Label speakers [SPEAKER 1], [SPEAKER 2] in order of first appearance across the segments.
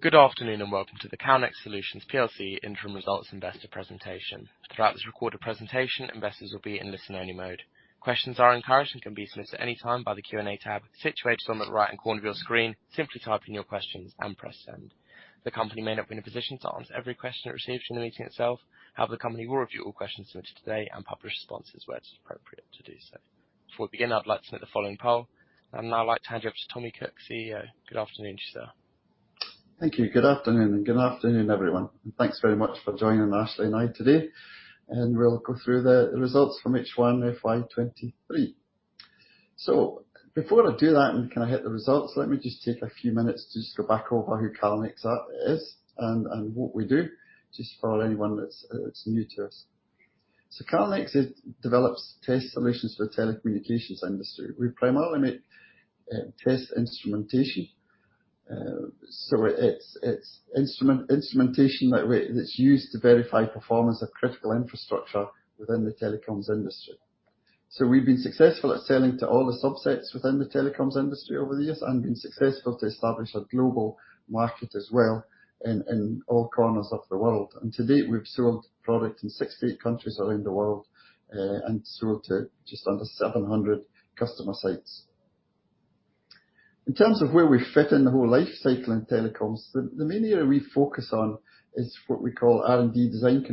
[SPEAKER 1] Good afternoon, welcome to the Calnex Solutions plc Interim Results Investor Presentation. Throughout this recorded presentation, investors will be in listen only mode. Questions are encouraged and can be submitted anytime by the Q&A tab situated on the right-hand corner of your screen. Simply type in your questions and press send. The company may not be in a position to answer every question it receives during the meeting itself. However, the company will review all questions submitted today and publish responses where it's appropriate to do so. Before we begin, I'd like to make the following poll. I'd now like to hand you over to Tommy Cook, CEO. Good afternoon to you, sir.
[SPEAKER 2] Thank you. Good afternoon, good afternoon, everyone. Thanks very much for joining Ashleigh and I today, and we'll go through the results from H1 FY23. Before I do that and kind of hit the results, let me just take a few minutes to just go back over who Calnex is and what we do, just for anyone that's new to us. Calnex it develops test solutions for the telecommunications industry. We primarily make test instrumentation, it's instrumentation that's used to verify performance of critical infrastructure within the telecoms industry. We've been successful at selling to all the subsets within the telecoms industry over the years and been successful to establish a global market as well in all corners of the world. To date, we've sold product in 68 countries around the world, and sold to just under 700 customer sites. In terms of where we fit in the whole life cycle in telecoms, the main area we focus on is what we call R&D design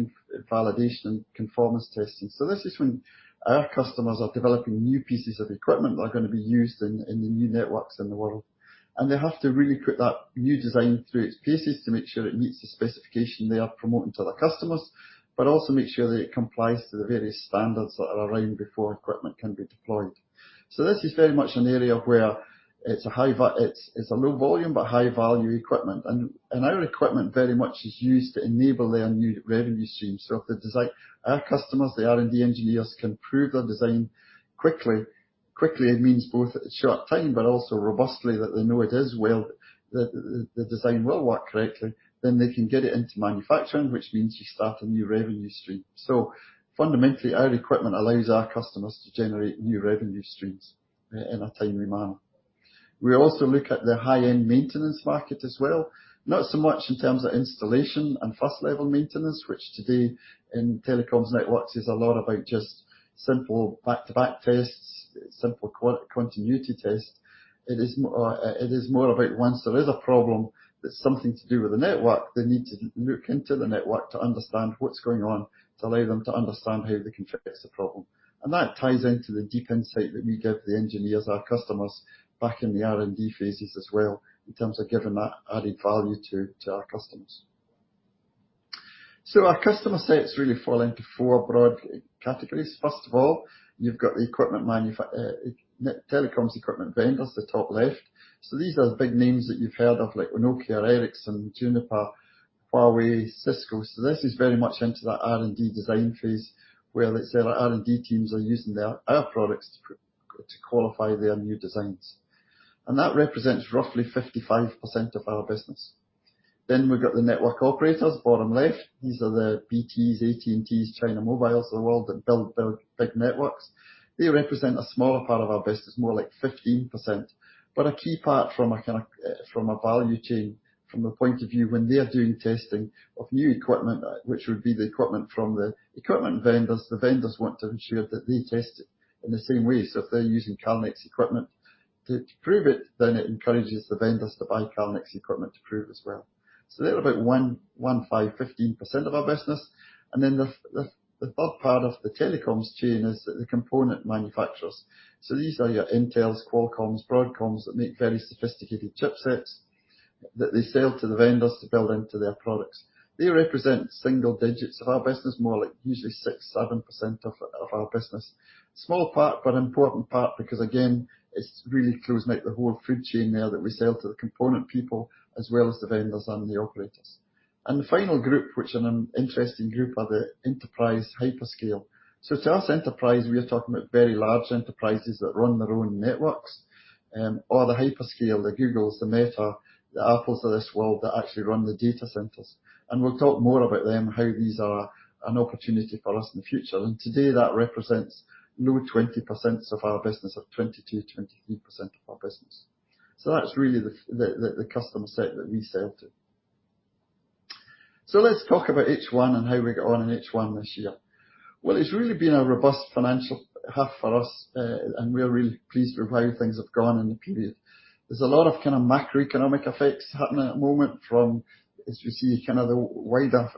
[SPEAKER 2] validation and conformance testing. This is when our customers are developing new pieces of equipment that are gonna be used in the new networks in the world, and they have to really put that new design through its paces to make sure it meets the specification they are promoting to their customers, but also make sure that it complies to the various standards that are around before equipment can be deployed. This is very much an area where it's a low volume, but high value equipment and our equipment very much is used to enable their new revenue stream. If Our customers, the R&D engineers, can prove their design quickly. Quickly it means both short time, but also robustly that they know it is well, the design will work correctly, then they can get it into manufacturing, which means you start a new revenue stream. Fundamentally, our equipment allows our customers to generate new revenue streams in a timely manner. We also look at the high-end maintenance market as well, not so much in terms of installation and first level maintenance, which today in telecoms networks is a lot about just simple back-to-back tests, simple continuity tests. It is more, it is more about once there is a problem that's something to do with the network, they need to look into the network to understand what's going on, to allow them to understand how they can fix the problem. That ties into the deep insight that we give the engineers, our customers, back in the R&D phases as well, in terms of giving that added value to our customers. Our customer sets really fall into four broad categories. First of all, you've got the telecoms equipment vendors, the top left. These are the big names that you've heard of, like Nokia, Ericsson, Juniper, Huawei, Cisco. This is very much into that R&D design phase where let's say our R&D teams are using their, our products to qualify their new designs. That represents roughly 55% of our business. We've got the network operators, bottom left. These are the BTs, AT&Ts, China Mobiles of the world that build their big networks. They represent a smaller part of our business, more like 15%. A key part from a kind of, from a value chain, from a point of view when they're doing testing of new equipment, which would be the equipment from the equipment vendors, the vendors want to ensure that they test it in the same way. If they're using Calnex equipment to prove it, then it encourages the vendors to buy Calnex equipment to prove as well. They're about 15% of our business. The third part of the telecoms chain is the component manufacturers. These are your Intels, Qualcomms, Broadcoms that make very sophisticated chipsets that they sell to the vendors to build into their products. They represent single digits of our business, more like usually 6%, 7% of our business. Small part, but an important part because again, it's really closing out the whole food chain there that we sell to the component people as well as the vendors and the operators. The final group, which are an interesting group, are the enterprise hyperscale. To us enterprise, we are talking about very large enterprises that run their own networks, or the hyperscale, the Googles, the Meta, the Apples of this world that actually run the data centers. We'll talk more about them, how these are an opportunity for us in the future. Today, that represents low 20% of our business or 22%-23% of our business. That's really the customer set that we sell to. Let's talk about H1 and how we got on in H1 this year. Well, it's really been a robust financial half for us, and we are really pleased with how things have gone in the period. There's a lot of kind of macroeconomic effects happening at the moment from, as we see kind of the wider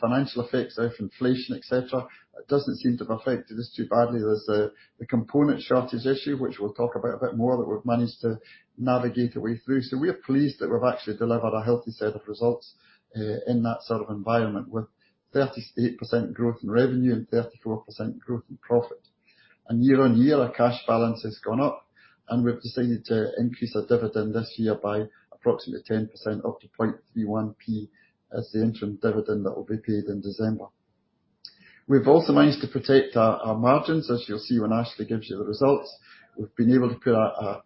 [SPEAKER 2] financial effects of inflation, et cetera. It doesn't seem to have affected us too badly. There's the component shortage issue, which we'll talk about a bit more, that we've managed to navigate our way through. We are pleased that we've actually delivered a healthy set of results in that sort of environment with 38% growth in revenue and 34% growth in profit. Year on year, our cash balance has gone up, and we've decided to increase our dividend this year by approximately 10% up to 0.31p as the interim dividend that will be paid in December. We've also managed to protect our margins, as you'll see when Ashleigh gives you the results. We've been able to put a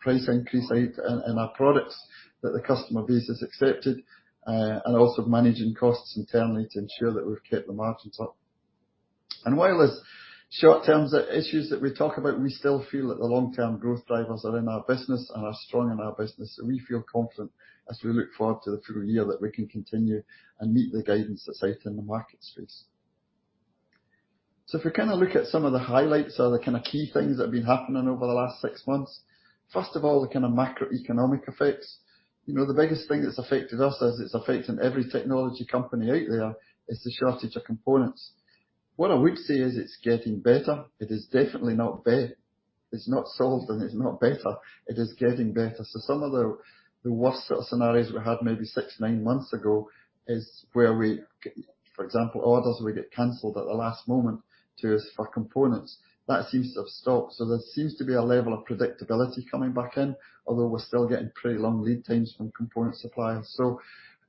[SPEAKER 2] price increase out in our products that the customer base has accepted, and also managing costs internally to ensure that we've kept the margins up. While there's short-term issues that we talk about, we still feel that the long-term growth drivers are in our business and are strong in our business, and we feel confident as we look forward to the full year that we can continue and meet the guidance that's out in the market space. If we kinda look at some of the highlights or the kind of key things that have been happening over the last six months, first of all, the kind of macroeconomic effects. You know, the biggest thing that's affected us as it's affecting every technology company out there is the shortage of components. What I would say is it's getting better. It is definitely not solved. It's not better. It is getting better. Some of the worst sort of scenarios we had maybe six, nine months ago is where we, for example, orders will get canceled at the last moment for components. That seems to have stopped. There seems to be a level of predictability coming back in, although we're still getting pretty long lead times from component suppliers.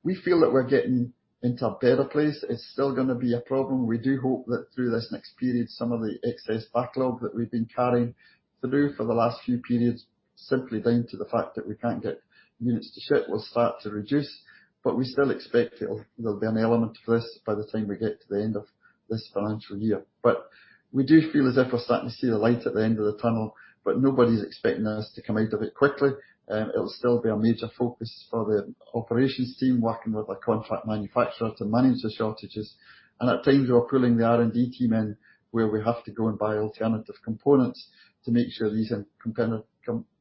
[SPEAKER 2] We feel that we're getting into a better place. It's still gonna be a problem. We do hope that through this next period, some of the excess backlog that we've been carrying through for the last few periods, simply down to the fact that we can't get units to ship, will start to reduce, but we still expect there'll be an element of this by the time we get to the end of this financial year. We do feel as if we're starting to see the light at the end of the tunnel, but nobody's expecting us to come out of it quickly. It'll still be a major focus for the operations team working with a contract manufacturer to manage the shortages. At times, we are pulling the R&D team in where we have to go and buy alternative components to make sure these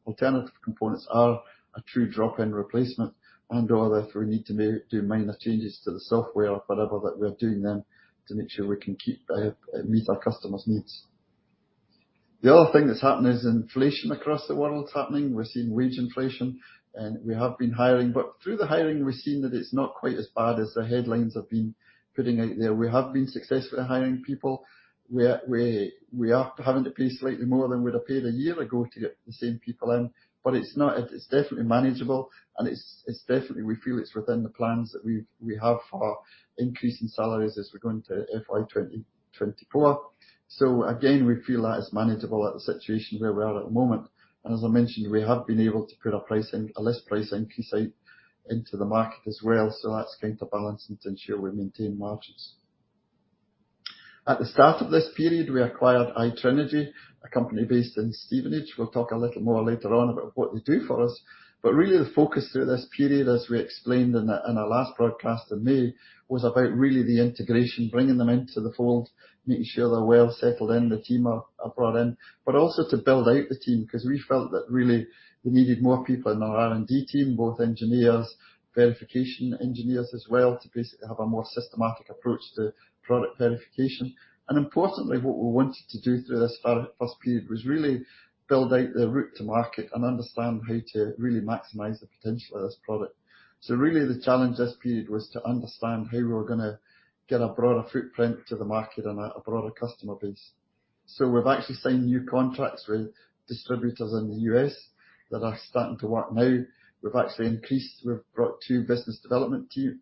[SPEAKER 2] alternative components are a true drop-in replacement and/or if we need to do minor changes to the software or whatever, that we are doing then to make sure we can keep, meet our customers' needs. The other thing that's happened is inflation across the world is happening. We're seeing wage inflation, and we have been hiring. Through the hiring, we've seen that it's not quite as bad as the headlines have been putting out there. We have been successfully hiring people, where we are having to pay slightly more than we'd have paid a year ago to get the same people in. It's not... It's definitely manageable, and it's definitely we feel it's within the plans that we have for increasing salaries as we go into FY 2024. Again, we feel that it's manageable at the situation where we are at the moment. As I mentioned, we have been able to put our pricing, a list price increase out into the market as well, so that's counterbalancing to ensure we maintain margins. At the start of this period, we acquired iTrinegy, a company based in Stevenage. We'll talk a little more later on about what they do for us. Really the focus through this period, as we explained in our last broadcast in May, was about really the integration, bringing them into the fold, making sure they're well settled in, the team are brought in. Also to build out the team 'cause we felt that really we needed more people in our R&D team, both engineers, verification engineers as well, to basically have a more systematic approach to product verification. Importantly, what we wanted to do through this first period was really build out the route to market and understand how to really maximize the potential of this product. Really the challenge this period was to understand how we were gonna get a broader footprint to the market and a broader customer base. We've actually signed new contracts with distributors in the U.S. that are starting to work now. We've actually increased. We've brought two business development team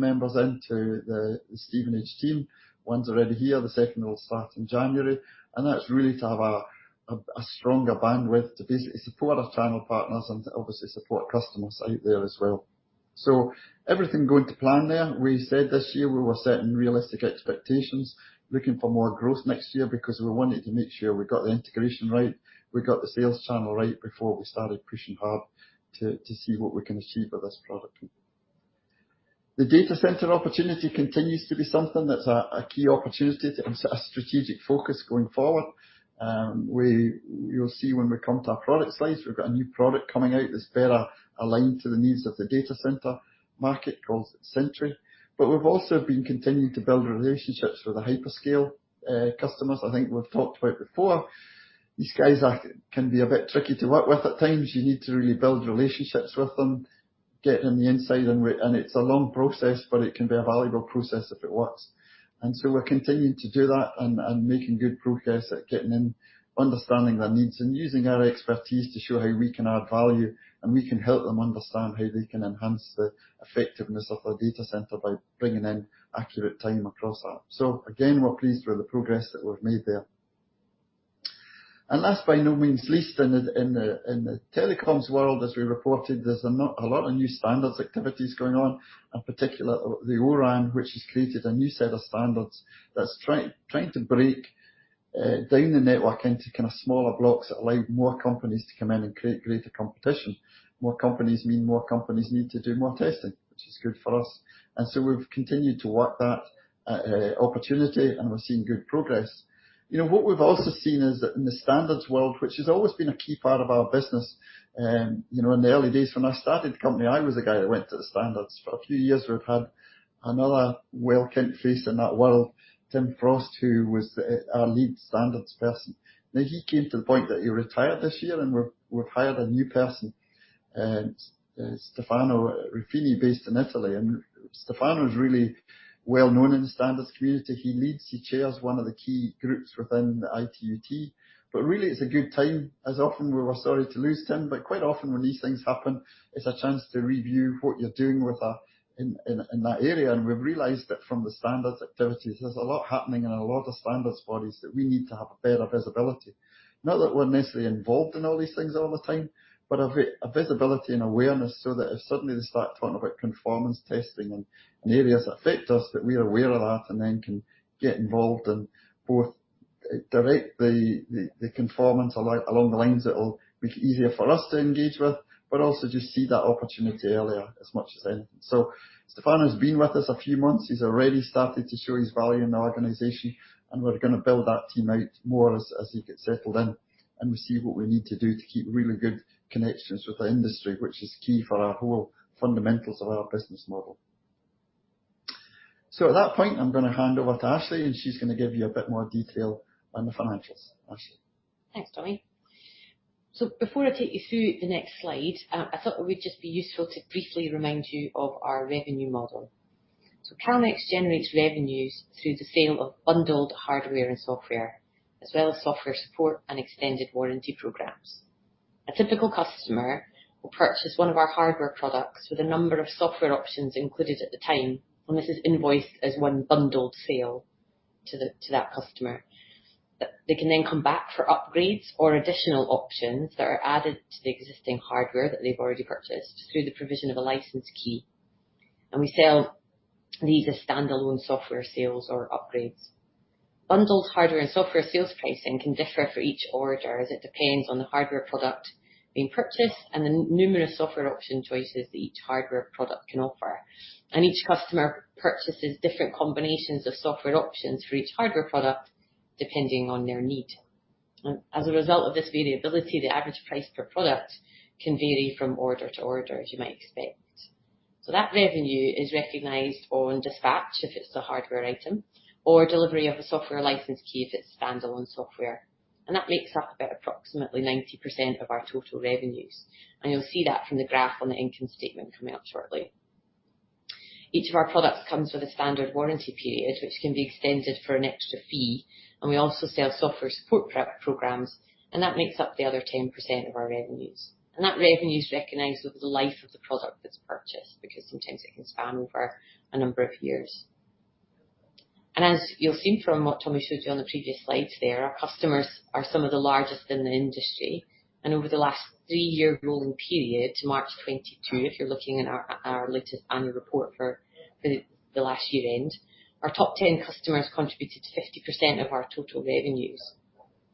[SPEAKER 2] members into the Stevenage team. One's already here, the second will start in January, and that's really to have a stronger bandwidth to basically support our channel partners and obviously support customers out there as well. Everything going to plan there. We said this year we were setting realistic expectations, looking for more growth next year because we wanted to make sure we got the integration right, we got the sales channel right before we started pushing hard to see what we can achieve with this product. The data center opportunity continues to be something that's a key opportunity a strategic focus going forward. You'll see when we come to our product slice, we've got a new product coming out that's better aligned to the needs of the data center market, called Sentry. We've also been continuing to build relationships with the hyperscale customers. I think we've talked about it before. These guys can be a bit tricky to work with at times. You need to really build relationships with them, get on the inside. It's a long process, but it can be a valuable process if it works. We're continuing to do that and making good progress at getting in, understanding their needs and using our expertise to show how we can add value, and we can help them understand how they can enhance the effectiveness of their data center by bringing in accurate time across that. Again, we're pleased with the progress that we've made there. Last, by no means least, in the telecoms world, as we reported, there's a lot of new standards activities going on. In particular, the O-RAN, which has created a new set of standards that's trying to break down the network into kind of smaller blocks that allow more companies to come in and create greater competition. More companies mean more companies need to do more testing, which is good for us. We've continued to work that opportunity, and we're seeing good progress. You know, what we've also seen is that in the standards world, which has always been a key part of our business, you know, in the early days when I started the company, I was the guy that went to the standards. For a few years, we've had another well-known face in that world, Tim Frost, who was our lead standards person. He came to the point that he retired this year, and we've hired a new person, Stefano Ruffini, based in Italy. Stefano's really well known in the standards community. He chairs one of the key groups within the ITU-T. Really, it's a good time. As often, we were sorry to lose Tim, but quite often when these things happen, it's a chance to review what you're doing in that area. We've realized that from the standards activities, there's a lot happening in a lot of standards bodies that we need to have a better visibility. Not that we're necessarily involved in all these things all the time, but a visibility and awareness so that if suddenly they start talking about conformance testing and areas that affect us, that we're aware of that and then can get involved in both direct the conformance along the lines that will be easier for us to engage with, but also just see that opportunity earlier as much as anything. Stefan has been with us a few months. He's already started to show his value in the organization, and we're gonna build that team out more as he gets settled in, and we see what we need to do to keep really good connections with the industry, which is key for our whole fundamentals of our business model. At that point, I'm gonna hand over to Ashleigh, and she's gonna give you a bit more detail on the financials. Ashleigh.
[SPEAKER 3] Thanks, Tommy. Before I take you through the next slide, I thought it would just be useful to briefly remind you of our revenue model. Calnex generates revenues through the sale of bundled hardware and software, as well as software support and extended warranty programs. A typical customer will purchase one of our hardware products with a number of software options included at the time, and this is invoiced as one bundled sale to that customer. They can then come back for upgrades or additional options that are added to the existing hardware that they've already purchased through the provision of a license key, and we sell these as standalone software sales or upgrades. Bundled hardware and software sales pricing can differ for each order as it depends on the hardware product being purchased and the numerous software option choices that each hardware product can offer. Each customer purchases different combinations of software options for each hardware product depending on their need. As a result of this variability, the average price per product can vary from order to order, as you might expect. That revenue is recognized on dispatch if it's a hardware item or delivery of a software license key if it's standalone software, and that makes up about approximately 90% of our total revenues. You'll see that from the graph on the income statement coming up shortly. Each of our products comes with a standard warranty period, which can be extended for an extra fee. We also sell software support pro-programs, and that makes up the other 10% of our revenues. That revenue is recognized over the life of the product that's purchased because sometimes it can span over a number of years. As you'll see from what Tommy showed you on the previous slides there, our customers are some of the largest in the industry. Over the last three-year rolling period to March 2022, if you're looking at our latest annual report for the last year-end, our top 10 customers contributed to 50% of our total revenues.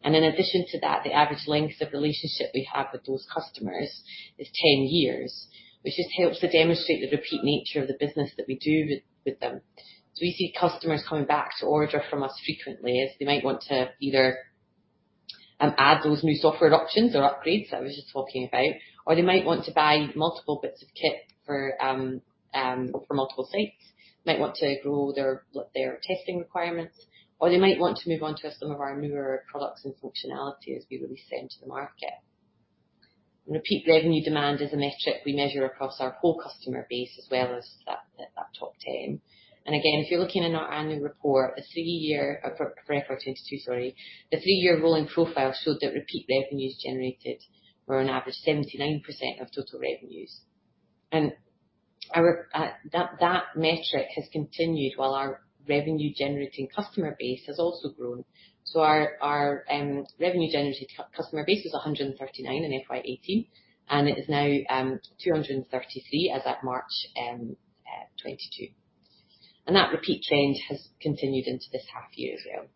[SPEAKER 3] In addition to that, the average length of relationship we have with those customers is 10 years, which just helps to demonstrate the repeat nature of the business that we do with them. We see customers coming back to order from us frequently as they might want to either add those new software options or upgrades that I was just talking about. They might want to buy multiple bits of kit for multiple sites. Might want to grow their, like, their testing requirements, or they might want to move on to some of our newer products and functionality as we release them to the market. Repeat revenue demand is a metric we measure across our whole customer base as well as that top 10. Again, if you're looking in our annual report, the three-year... For FY 2022, sorry, the three-year rolling profile showed that repeat revenues generated were on average 79% of total revenues. Our, that metric has continued while our revenue generating customer base has also grown. Our, our revenue generating customer base was 139 in FY 2018, and it is now 233 as at March 2022. That repeat trend has continued into this half year as well.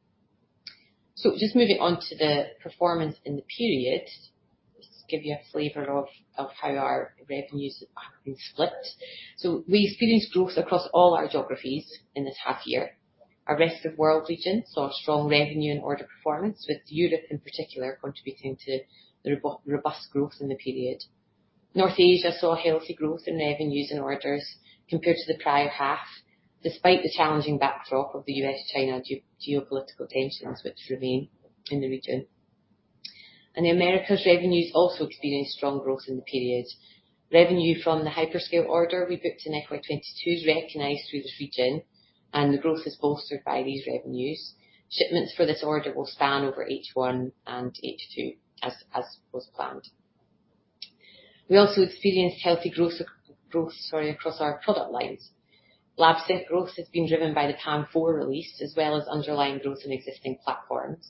[SPEAKER 3] Just moving on to the performance in the period. Just give you a flavor of how our revenues have been split. We experienced growth across all our geographies in this half year. Our rest of world region saw strong revenue and order performance, with Europe in particular contributing to the robust growth in the period. North Asia saw healthy growth in revenues and orders compared to the prior half, despite the challenging backdrop of the U.S.-China geopolitical tensions which remain in the region. The Americas revenues also experienced strong growth in the period. Revenue from the hyperscale order we booked in FY 2022 is recognized through the region, and the growth is bolstered by these revenues. Shipments for this order will span over H1 and H2 as was planned. We also experienced healthy growth across our product lines. LabSync growth has been driven by the PAM4 release, as well as underlying growth in existing platforms.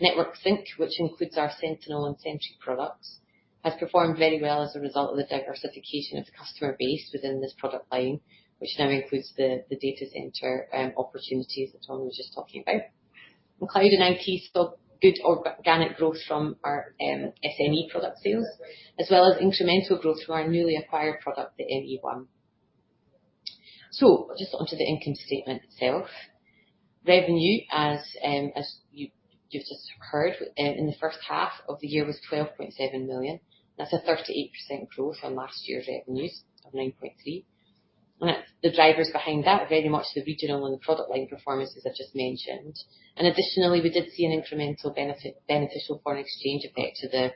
[SPEAKER 3] Network Sync, which includes our Sentinel and Sentry products, has performed very well as a result of the diversification of the customer base within this product line, which now includes the data center opportunities that Tommy was just talking about. Cloud and IP saw good organic growth from our SNE product sales, as well as incremental growth from our newly acquired product, the NE-ONE. Just onto the income statement itself. Revenue as you've just heard in the first half of the year was 12.7 million. That's a 38% growth on last year's revenues of 9.3 million. The drivers behind that are very much the regional and product line performances I've just mentioned. Additionally, we did see an incremental beneficial foreign exchange effect to the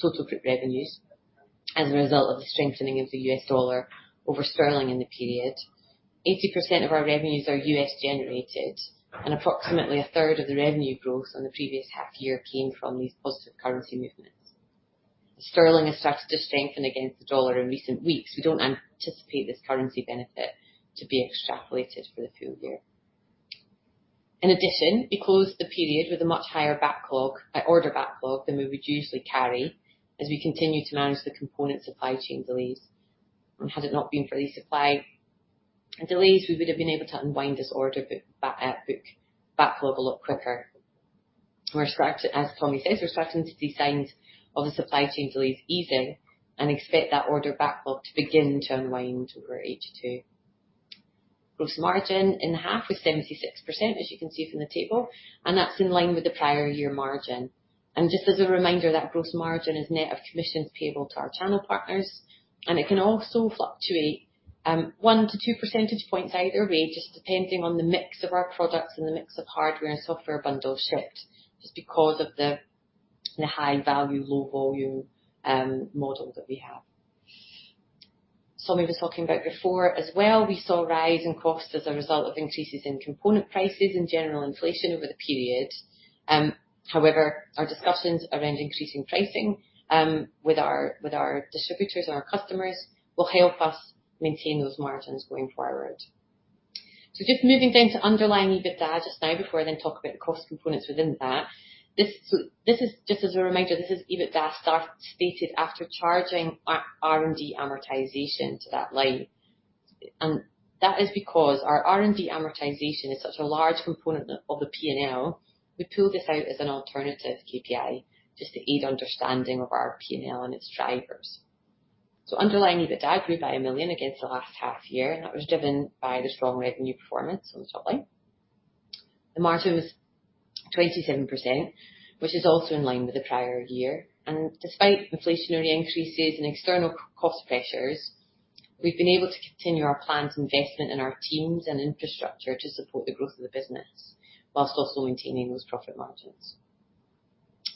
[SPEAKER 3] total group revenues as a result of the strengthening of the US dollar over sterling in the period. 80% of our revenues are US generated, and approximately a third of the revenue growth on the previous half year came from these positive currency movements. As Sterling has started to strengthen against the US dollar in recent weeks, we don't anticipate this currency benefit to be extrapolated for the full year. In addition, we closed the period with a much higher backlog, order backlog than we would usually carry as we continue to manage the component supply chain delays. Had it not been for these supply and delays we would have been able to unwind this order book backlog a lot quicker. As Tommy says, we're starting to see signs of the supply chain delays easing and expect that order backlog to begin to unwind over H2. Gross margin in the half was 76%, as you can see from the table, and that's in line with the prior year margin. Just as a reminder, that gross margin is net of commissions payable to our channel partners, and it can also fluctuate 1-2 percentage points either way, just depending on the mix of our products and the mix of hardware and software bundles shipped just because of the high value, low volume, model that we have. Tommy was talking about before as well, we saw a rise in cost as a result of increases in component prices and general inflation over the period. However, our discussions around increasing pricing, with our, with our distributors and our customers will help us maintain those margins going forward. Just moving then to underlying EBITDA just now before I then talk about the cost components within that. This is just as a reminder, this is EBITDA stated after charging R&D amortization to that line. That is because our R&D amortization is such a large component of the P&L, we pull this out as an alternative KPI just to aid understanding of our P&L and its drivers. Underlying EBITDA grew by 1 million against the last half year, and that was driven by the strong revenue performance on the top line. The margin was 27%, which is also in line with the prior year. Despite inflationary increases and external cost pressures, we've been able to continue our planned investment in our teams and infrastructure to support the growth of the business whilst also maintaining those profit margins.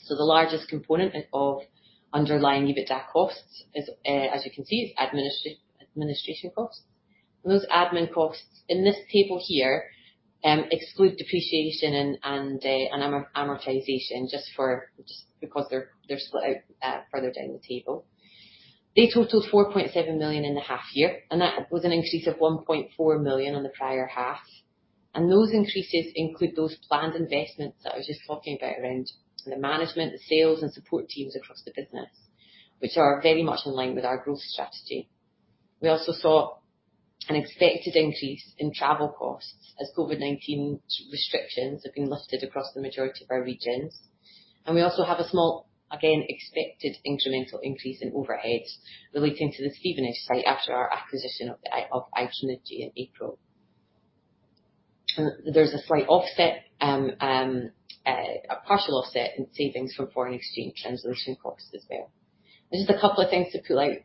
[SPEAKER 3] The largest component of underlying EBITDA costs is, as you can see, is administration costs. Those admin costs in this table here exclude depreciation and amortization because they're split out further down the table. They totaled 4.7 million in the half year, and that was an increase of 1.4 million on the prior half. Those increases include those planned investments that I was just talking about around the management, the sales and support teams across the business, which are very much in line with our growth strategy. We also saw an expected increase in travel costs as COVID-19 restrictions have been lifted across the majority of our regions. We also have a small, again, expected incremental increase in overheads relating to the Stevenage site after our acquisition of iTrinegy in April. There's a slight offset, a partial offset in savings from foreign exchange translation costs as well. There's just a couple of things to pull out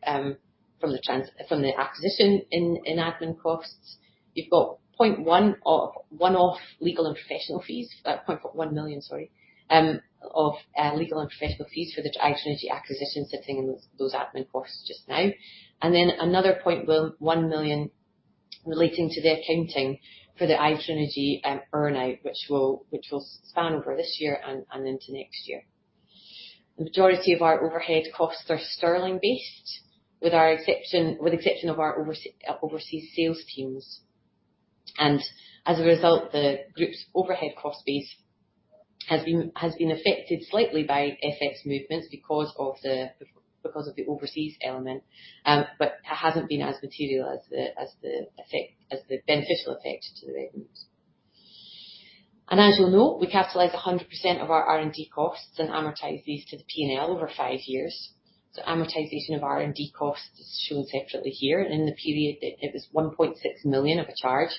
[SPEAKER 3] from the acquisition in admin costs. You've got 0.1 million of one-off legal and professional fees. 0.1 million, sorry, of legal and professional fees for the iTrinegy acquisition sitting in those admin costs just now. Then another 0.1 million relating to the accounting for the iTrinegy earn-out which will span over this year and into next year. The majority of our overhead costs are GBP based, with exception of our overseas sales teams. As a result, the group's overhead cost base has been affected slightly by FX movements because of the overseas element, but hasn't been as material as the beneficial effect to the revenues. As you'll note, we capitalize 100% of our R&D costs and amortize these to the P&L over five years. Amortization of R&D costs is shown separately here. In the period, it was 1.6 million of a charge,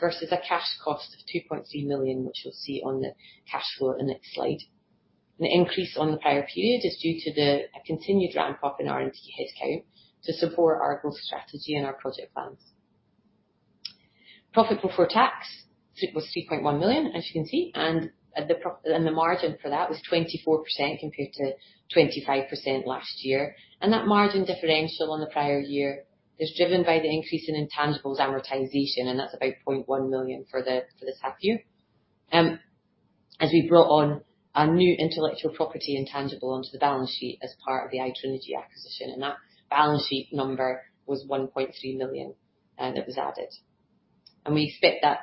[SPEAKER 3] versus a cash cost of 2.0 million, which you'll see on the cash flow in next slide. The increase on the prior period is due to the continued ramp-up in R&D headcount to support our growth strategy and our project plans. Profit before tax was 3.1 million, as you can see. The margin for that was 24% compared to 25% last year. That margin differential on the prior year is driven by the increase in intangibles amortization, and that's about 0.1 million for this half year. As we brought on a new intellectual property intangible onto the balance sheet as part of the iTrinegy acquisition. That balance sheet number was 1.3 million, and it was added. We expect that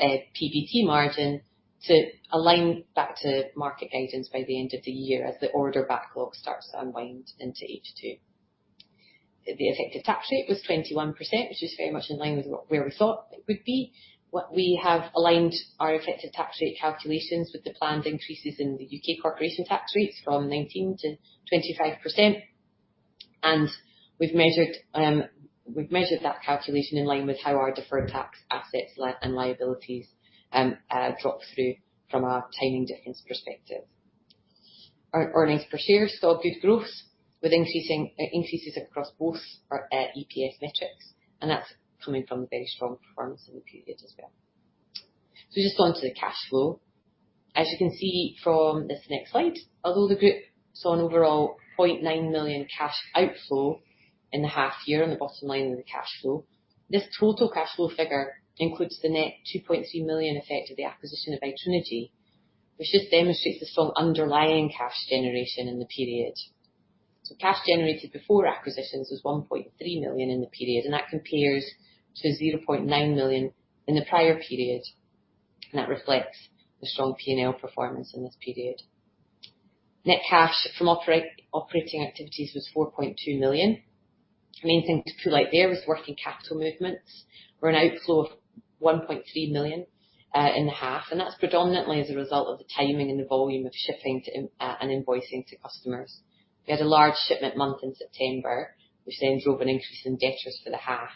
[SPEAKER 3] PBT margin to align back to market guidance by the end of the year as the order backlog starts to unwind into H2. The effective tax rate was 21%, which is very much in line with where we thought it would be. We have aligned our effective tax rate calculations with the planned increases in the U.K. corporation tax rates from 19 to 25%. We've measured that calculation in line with how our deferred tax assets and liabilities drop through from a timing difference perspective. Our earnings per share saw good growth with increases across both EPS metrics, and that's coming from the very strong performance in the period as well. Just on to the cash flow. As you can see from this next slide, although the group saw an overall 0.9 million cash outflow in the half year on the bottom line of the cash flow, this total cash flow figure includes the net 2.3 million effect of the acquisition of iTrinegy, which just demonstrates the strong underlying cash generation in the period. Cash generated before acquisitions was 1.3 million in the period, and that compares to 0.9 million in the prior period. That reflects the strong P&L performance in this period. Net cash from operating activities was 4.2 million. The main thing to pull out there was working capital movements were an outflow of 1.3 million in the half, and that's predominantly as a result of the timing and the volume of shipping to and invoicing to customers. We had a large shipment month in September, which then drove an increase in debtors for the half.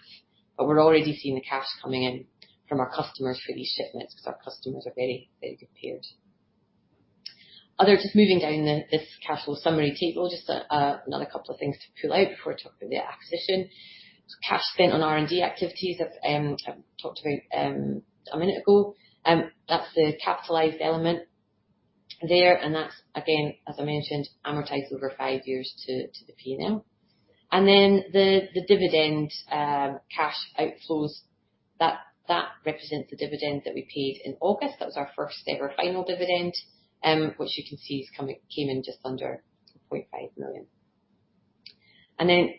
[SPEAKER 3] We're already seeing the cash coming in from our customers for these shipments because our customers are very, very good payers. Other. Just moving down this cash flow summary table, just another couple of things to pull out before I talk about the acquisition. Cash spent on R&D activities I've talked about a minute ago, that's the capitalized element there, and that's again, as I mentioned, amortized over five years to the P&L. The dividend cash outflows that represents the dividend that we paid in August. That was our first ever final dividend, which you can see came in just under 0.5 million.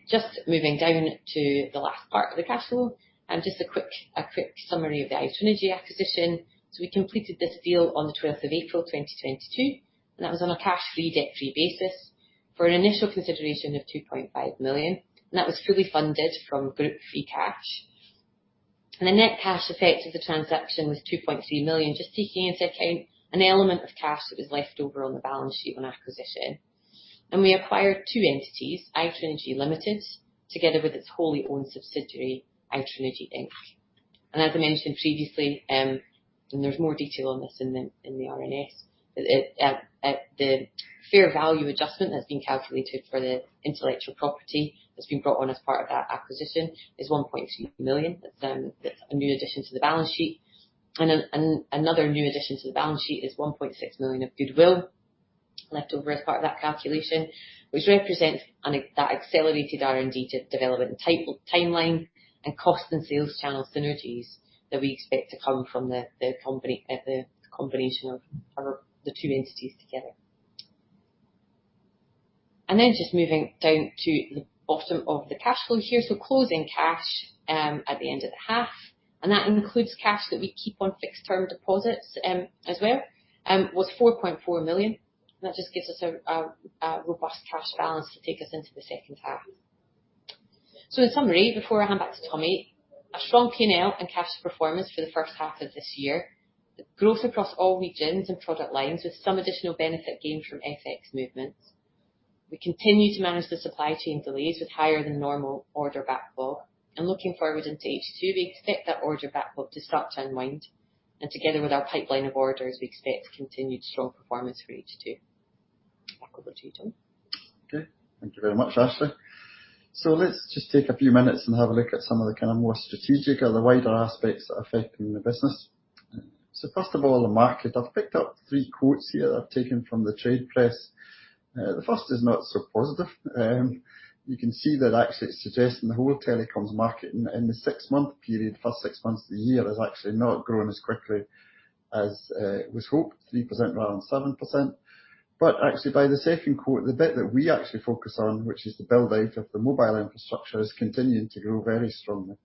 [SPEAKER 3] Just moving down to the last part of the cash flow, just a quick summary of the iTrinegy acquisition. We completed this deal on April 12, 2022, and that was on a cash-free, debt-free basis for an initial consideration of 2.5 million, and that was fully funded from group free cash. The net cash effect of the transaction was 2.3 million, just taking into account an element of cash that was left over on the balance sheet on acquisition. We acquired two entities, iTrinegy Limited, together with its wholly owned subsidiary, iTrinegy Inc. As I mentioned previously, and there's more detail on this in the RNS, the fair value adjustment that's been calculated for the intellectual property that's been brought on as part of that acquisition is 1.2 million. That's a new addition to the balance sheet. Another new addition to the balance sheet is 1.6 million of goodwill left over as part of that calculation, which represents that accelerated R&D development timeline and cost and sales channel synergies that we expect to come from the company. at the combination of the two entities together. Just moving down to the bottom of the cash flow here. Closing cash at the end of the half, and that includes cash that we keep on fixed term deposits as well, was 4.4 million. That just gives us a robust cash balance to take us into the second half. In summary, before I hand back to Tommy, a strong P&L and cash performance for the first half of this year. Growth across all regions and product lines with some additional benefit gained from FX movements. We continue to manage the supply chain delays with higher than normal order backlog, and looking forward into H2, we expect that order backlog to start to unwind. Together with our pipeline of orders, we expect continued strong performance for H2. Back over to you, Tom.
[SPEAKER 2] Okay. Thank you very much, Ashleigh. Let's just take a few minutes and have a look at some of the kind of more strategic or the wider aspects that are affecting the business. First of all, the market. I've picked up three quotes here that I've taken from the trade press. The first is not so positive. You can see that actually it's suggesting the whole telecoms market in the six-month period, first six months of the year, has actually not grown as quickly as was hoped, 3% rather than 7%. Actually by the second quote, the bit that we actually focus on, which is the build-out of the mobile infrastructure, is continuing to grow very strongly.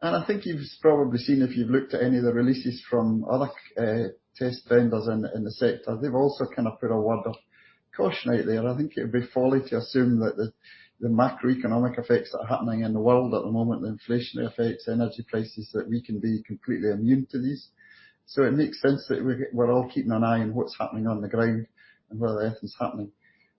[SPEAKER 2] I think you've probably seen if you've looked at any of the releases from other test vendors in the sector, they've also kind of put a word of caution out there. I think it would be folly to assume that the macroeconomic effects that are happening in the world at the moment, the inflationary effects, energy prices, that we can be completely immune to these. It makes sense that we're all keeping an eye on what's happening on the ground and where the earth is happening.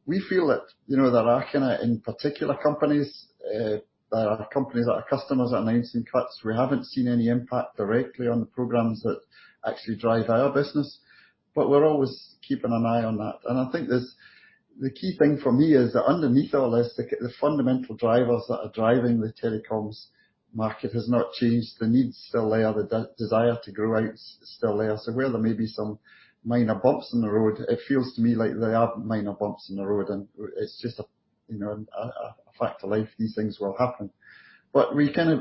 [SPEAKER 2] We feel that, you know, there are kind of in particular companies, there are companies that are customers are announcing cuts. We haven't seen any impact directly on the programs that actually drive our business, but we're always keeping an eye on that. I think there's... The key thing for me is that underneath all this, the fundamental drivers that are driving the telecoms market has not changed. The needs still there. The desire to grow out is still there. Where there may be some minor bumps in the road, it feels to me like they are minor bumps in the road, and it's just a, you know, a fact of life. These things will happen.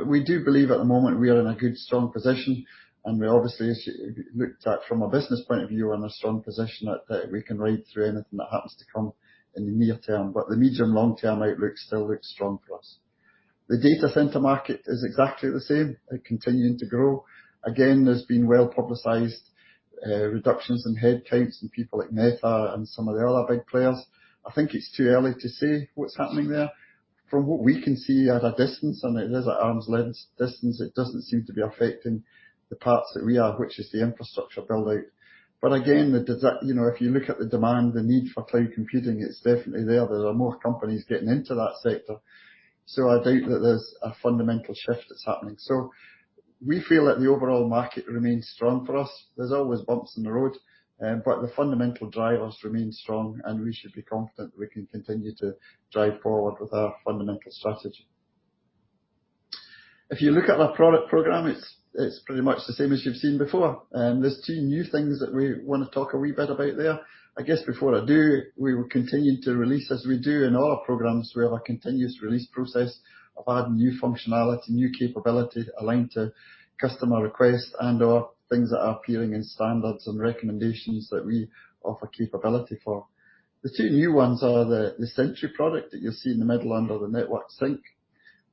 [SPEAKER 2] We do believe at the moment we are in a good, strong position, and we obviously, as you... looked at from a business point of view, we're in a strong position that we can ride through anything that happens to come in the near term. The medium, long term outlook still looks strong for us. The data center market is exactly the same, continuing to grow. Again, there's been well-publicized reductions in headcounts and people like Meta and some of the other big players. I think it's too early to say what's happening there. From what we can see at a distance, and it is at arm's length distance, it doesn't seem to be affecting the parts that we are, which is the infrastructure build out. Again, you know, if you look at the demand, the need for cloud computing, it's definitely there. There are more companies getting into that sector. I doubt that there's a fundamental shift that's happening. We feel that the overall market remains strong for us. There's always bumps in the road, but the fundamental drivers remain strong, and we should be confident we can continue to drive forward with our fundamental strategy. If you look at our product program, it's pretty much the same as you've seen before. There's two new things that we wanna talk a wee bit about there. I guess before I do, we will continue to release, as we do in all our programs, we have a continuous release process of adding new functionality, new capability aligned to customer requests and/or things that are appearing in standards and recommendations that we offer capability for. The two new ones are the Sentry product that you see in the middle under the Network Sync.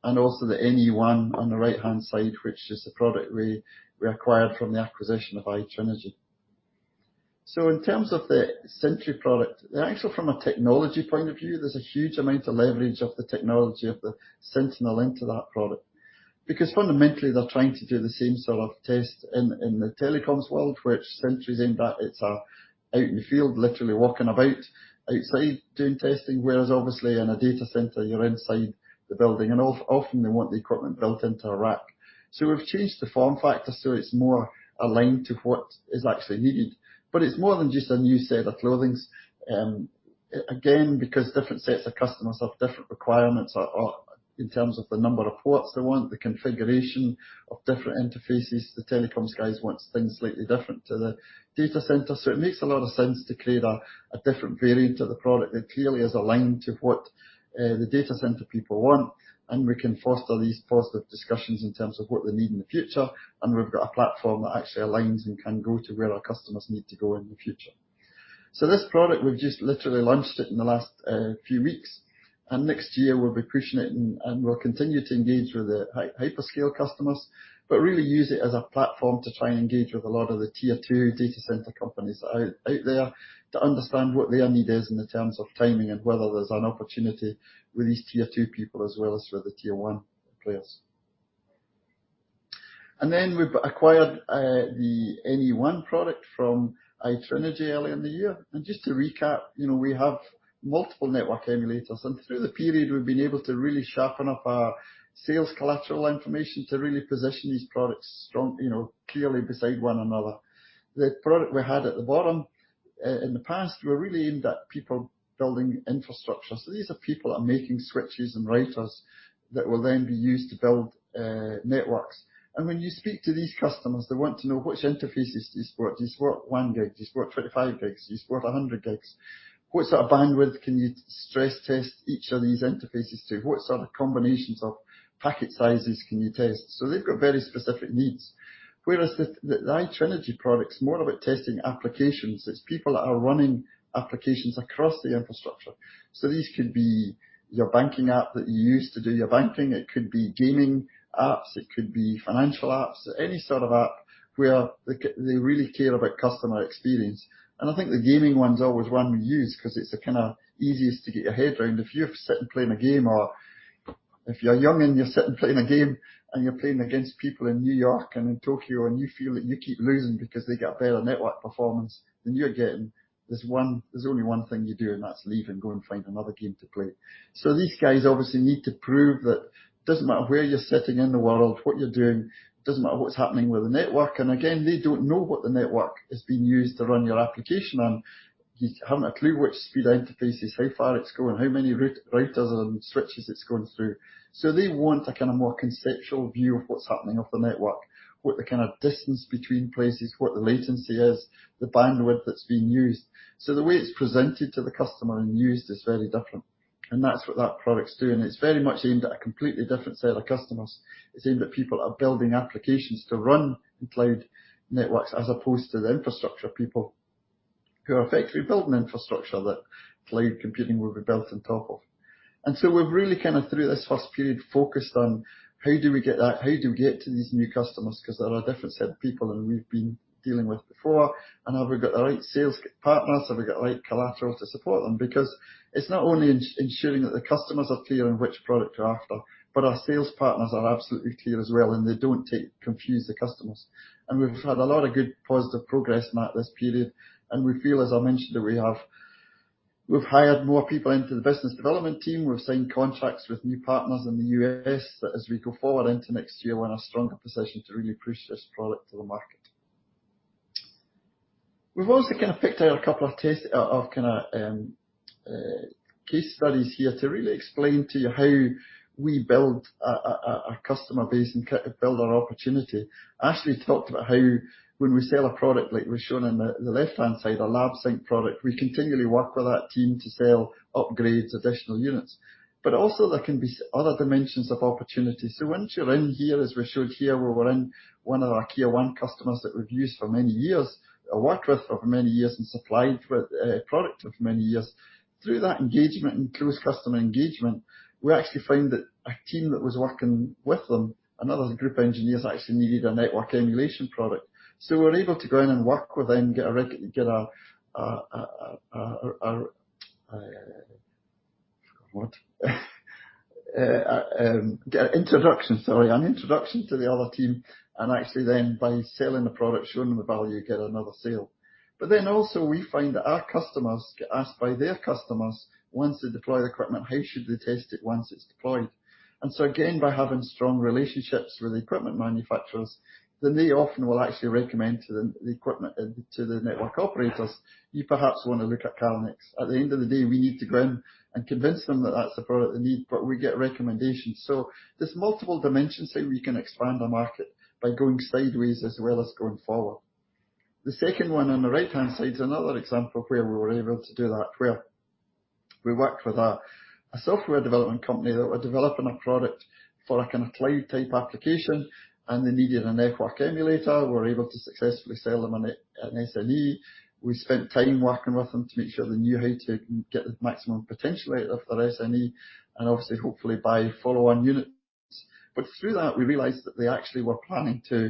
[SPEAKER 2] Also the NE-ONE on the right-hand side, which is the product we acquired from the acquisition of iTrinegy. In terms of the Sentry product, actually from a technology point of view, there's a huge amount of leverage of the technology of the Sentinel into that product, because fundamentally, they're trying to do the same sort of test in the telecoms world, which Sentry is aimed at. It's out in the field, literally walking about outside doing testing, whereas obviously in a data center, you're inside the building, and often they want the equipment built into a rack. We've changed the form factor, so it's more aligned to what is actually needed. It's more than just a new set of clothings. Again, because different sets of customers have different requirements in terms of the number of ports they want, the configuration of different interfaces. The telecoms guys wants things slightly different to the data center, so it makes a lot of sense to create a different variant of the product that clearly is aligned to what the data center people want, and we can foster these positive discussions in terms of what they need in the future. We've got a platform that actually aligns and can go to where our customers need to go in the future. This product, we've just literally launched it in the last few weeks, and next year we'll be pushing it, and we'll continue to engage with the hyperscale customers. Really use it as a platform to try and engage with a lot of the tier two data center companies out there, to understand what their need is in the terms of timing and whether there's an opportunity with these tier two people as well as with the tier one players. Then we've acquired the NE-ONE product from iTrinegy earlier in the year. Just to recap, you know, we have multiple network emulators, and through the period we've been able to really sharpen up our sales collateral information to really position these products strong, you know, clearly beside one another. The product we had at the bottom in the past were really aimed at people building infrastructure. These are people that are making switches and routers that will then be used to build networks. When you speak to these customers, they want to know which interfaces does this work? Does this work one gig? Does this work 25 gigs? Does this work 100 gigs? What sort of bandwidth can you stress test each of these interfaces to? What sort of combinations of packet sizes can you test? They've got very specific needs, whereas the iTrinegy product's more about testing applications. It's people that are running applications across the infrastructure. These could be your banking app that you use to do your banking, it could be gaming apps, it could be financial apps. Any sort of app where they really care about customer experience. I think the gaming one's always one we use 'cause it's the kinda easiest to get your head around. If you're sitting playing a game or if you're young and you're sitting playing a game, and you're playing against people in New York and in Tokyo, and you feel that you keep losing because they get better network performance than you're getting, there's only one thing you do, and that's leave and go and find another game to play. These guys obviously need to prove that doesn't matter where you're sitting in the world, what you're doing, doesn't matter what's happening with the network. Again, they don't know what the network is being used to run your application on. You haven't a clue which speed interface is, how far it's going, how many routers and switches it's going through. They want a kind of more conceptual view of what's happening off the network, what the kind of distance between places, what the latency is, the bandwidth that's being used. The way it's presented to the customer and used is very different. That's what that product's doing. It's very much aimed at a completely different set of customers. It's aimed at people that are building applications to run cloud networks, as opposed to the infrastructure people who are effectively building the infrastructure that cloud computing will be built on top of. We've really kind of, through this first period, focused on how do we get to these new customers? Because they're a different set of people than we've been dealing with before. Have we got the right sales partners? Have we got the right collateral to support them? It's not only ensuring that the customers are clear on which product they're after, but our sales partners are absolutely clear as well, and they don't confuse the customers. We've had a lot of good positive progress made this period. We feel, as I mentioned, that we have. We've hired more people into the business development team. We've signed contracts with new partners in the U.S., that as we go forward into next year, we're in a stronger position to really push this product to the market. We've also kinda picked out a couple of test, of kinda, case studies here to really explain to you how we build a, a customer base and build our opportunity. Ashleigh talked about how when we sell a product, like we've shown on the left-hand side, our LabSync product, we continually work with that team to sell upgrades, additional units. Also there can be other dimensions of opportunities. Once you're in here, as we showed here, where we're in one of our tier one customers that we've used for many years, worked with for many years and supplied with product with many years. Through that engagement and close customer engagement, we actually found that a team that was working with them, another group of engineers, actually needed a network emulation product. We're able to go in and work with them, get introduction, sorry. An introduction to the other team and actually then by selling the product, showing them the value, get another sale. Also we find that our customers get asked by their customers, once they deploy the equipment, how should they test it once it's deployed? Again, by having strong relationships with the equipment manufacturers, then they often will actually recommend to them, the equipment, to the network operators, "You perhaps wanna look at Calnex." At the end of the day, we need to go in and convince them that that's the product they need, but we get recommendations. There's multiple dimensions how we can expand the market by going sideways, as well as going forward. The second one on the right-hand side is another example of where we were able to do that, where we worked with a software development company that were developing a product for a kind of cloud-type application, and they needed a network emulator. We were able to successfully sell them an SME. We spent time working with them to make sure they knew how to get the maximum potential out of their SME, and obviously, hopefully, buy follow-on unit. Through that, we realized that they actually were planning to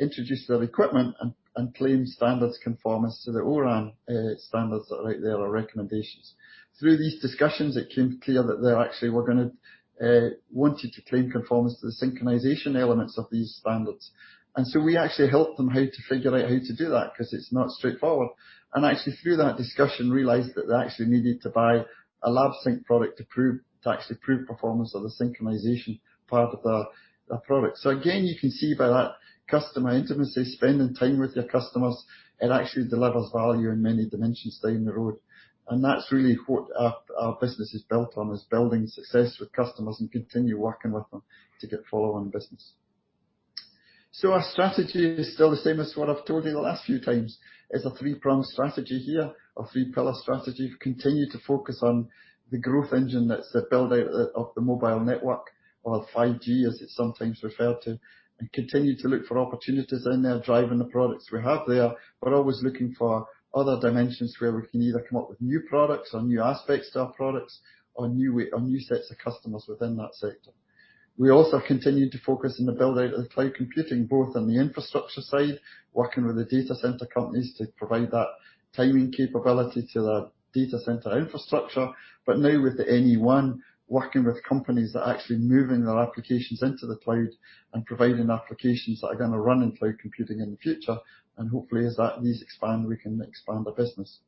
[SPEAKER 2] introduce their equipment and claim standards conformance to the O-RAN standards that are out there or recommendations. Through these discussions, it came clear that they actually wanted to claim conformance to the synchronization elements of these standards. we actually helped them how to figure out how to do that 'cause it's not straightforward. actually through that discussion, realized that they actually needed to buy a LabSync product to actually prove performance of the synchronization part of the product. again, you can see by that customer intimacy, spending time with your customers, it actually delivers value in many dimensions down the road. that's really what our business is built on, is building success with customers and continue working with them to get follow on business. our strategy is still the same as what I've told you the last few times. It's a three-pronged strategy here, a three-pillar strategy to continue to focus on the growth engine that's the build out of the mobile network or 5G as it's sometimes referred to. Continue to look for opportunities in there, driving the products we have there. We're always looking for other dimensions where we can either come up with new products or new aspects to our products or new sets of customers within that sector. We also continue to focus on the build-out of the cloud computing, both on the infrastructure side, working with the data center companies to provide that timing capability to the data center infrastructure. Now with the NE-ONE, working with companies that are actually moving their applications into the cloud and providing applications that are gonna run in cloud computing in the future. Hopefully as that needs expand, we can expand our business.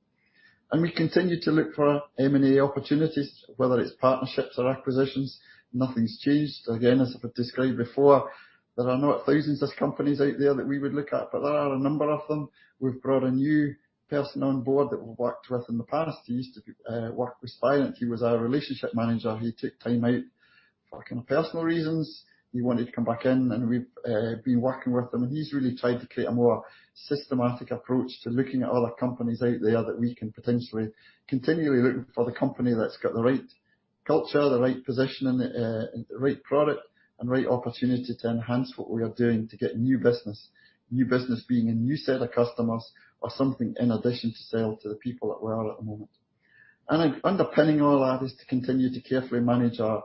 [SPEAKER 2] We continue to look for M&A opportunities, whether it's partnerships or acquisitions, nothing's changed. As I've described before, there are not thousands of companies out there that we would look at, but there are a number of them. We've brought a new person on board that we've worked with in the past. He used to be work with Spirent. He was our relationship manager. He took time out for kind of personal reasons. He wanted to come back in, and we've been working with him, and he's really tried to create a more systematic approach to looking at other companies out there that we can potentially continually look for the company that's got the right culture, the right position in the right product and right opportunity to enhance what we are doing to get new business. New business being a new set of customers or something in addition to sell to the people that we are at the moment. Underpinning all that is to continue to carefully manage our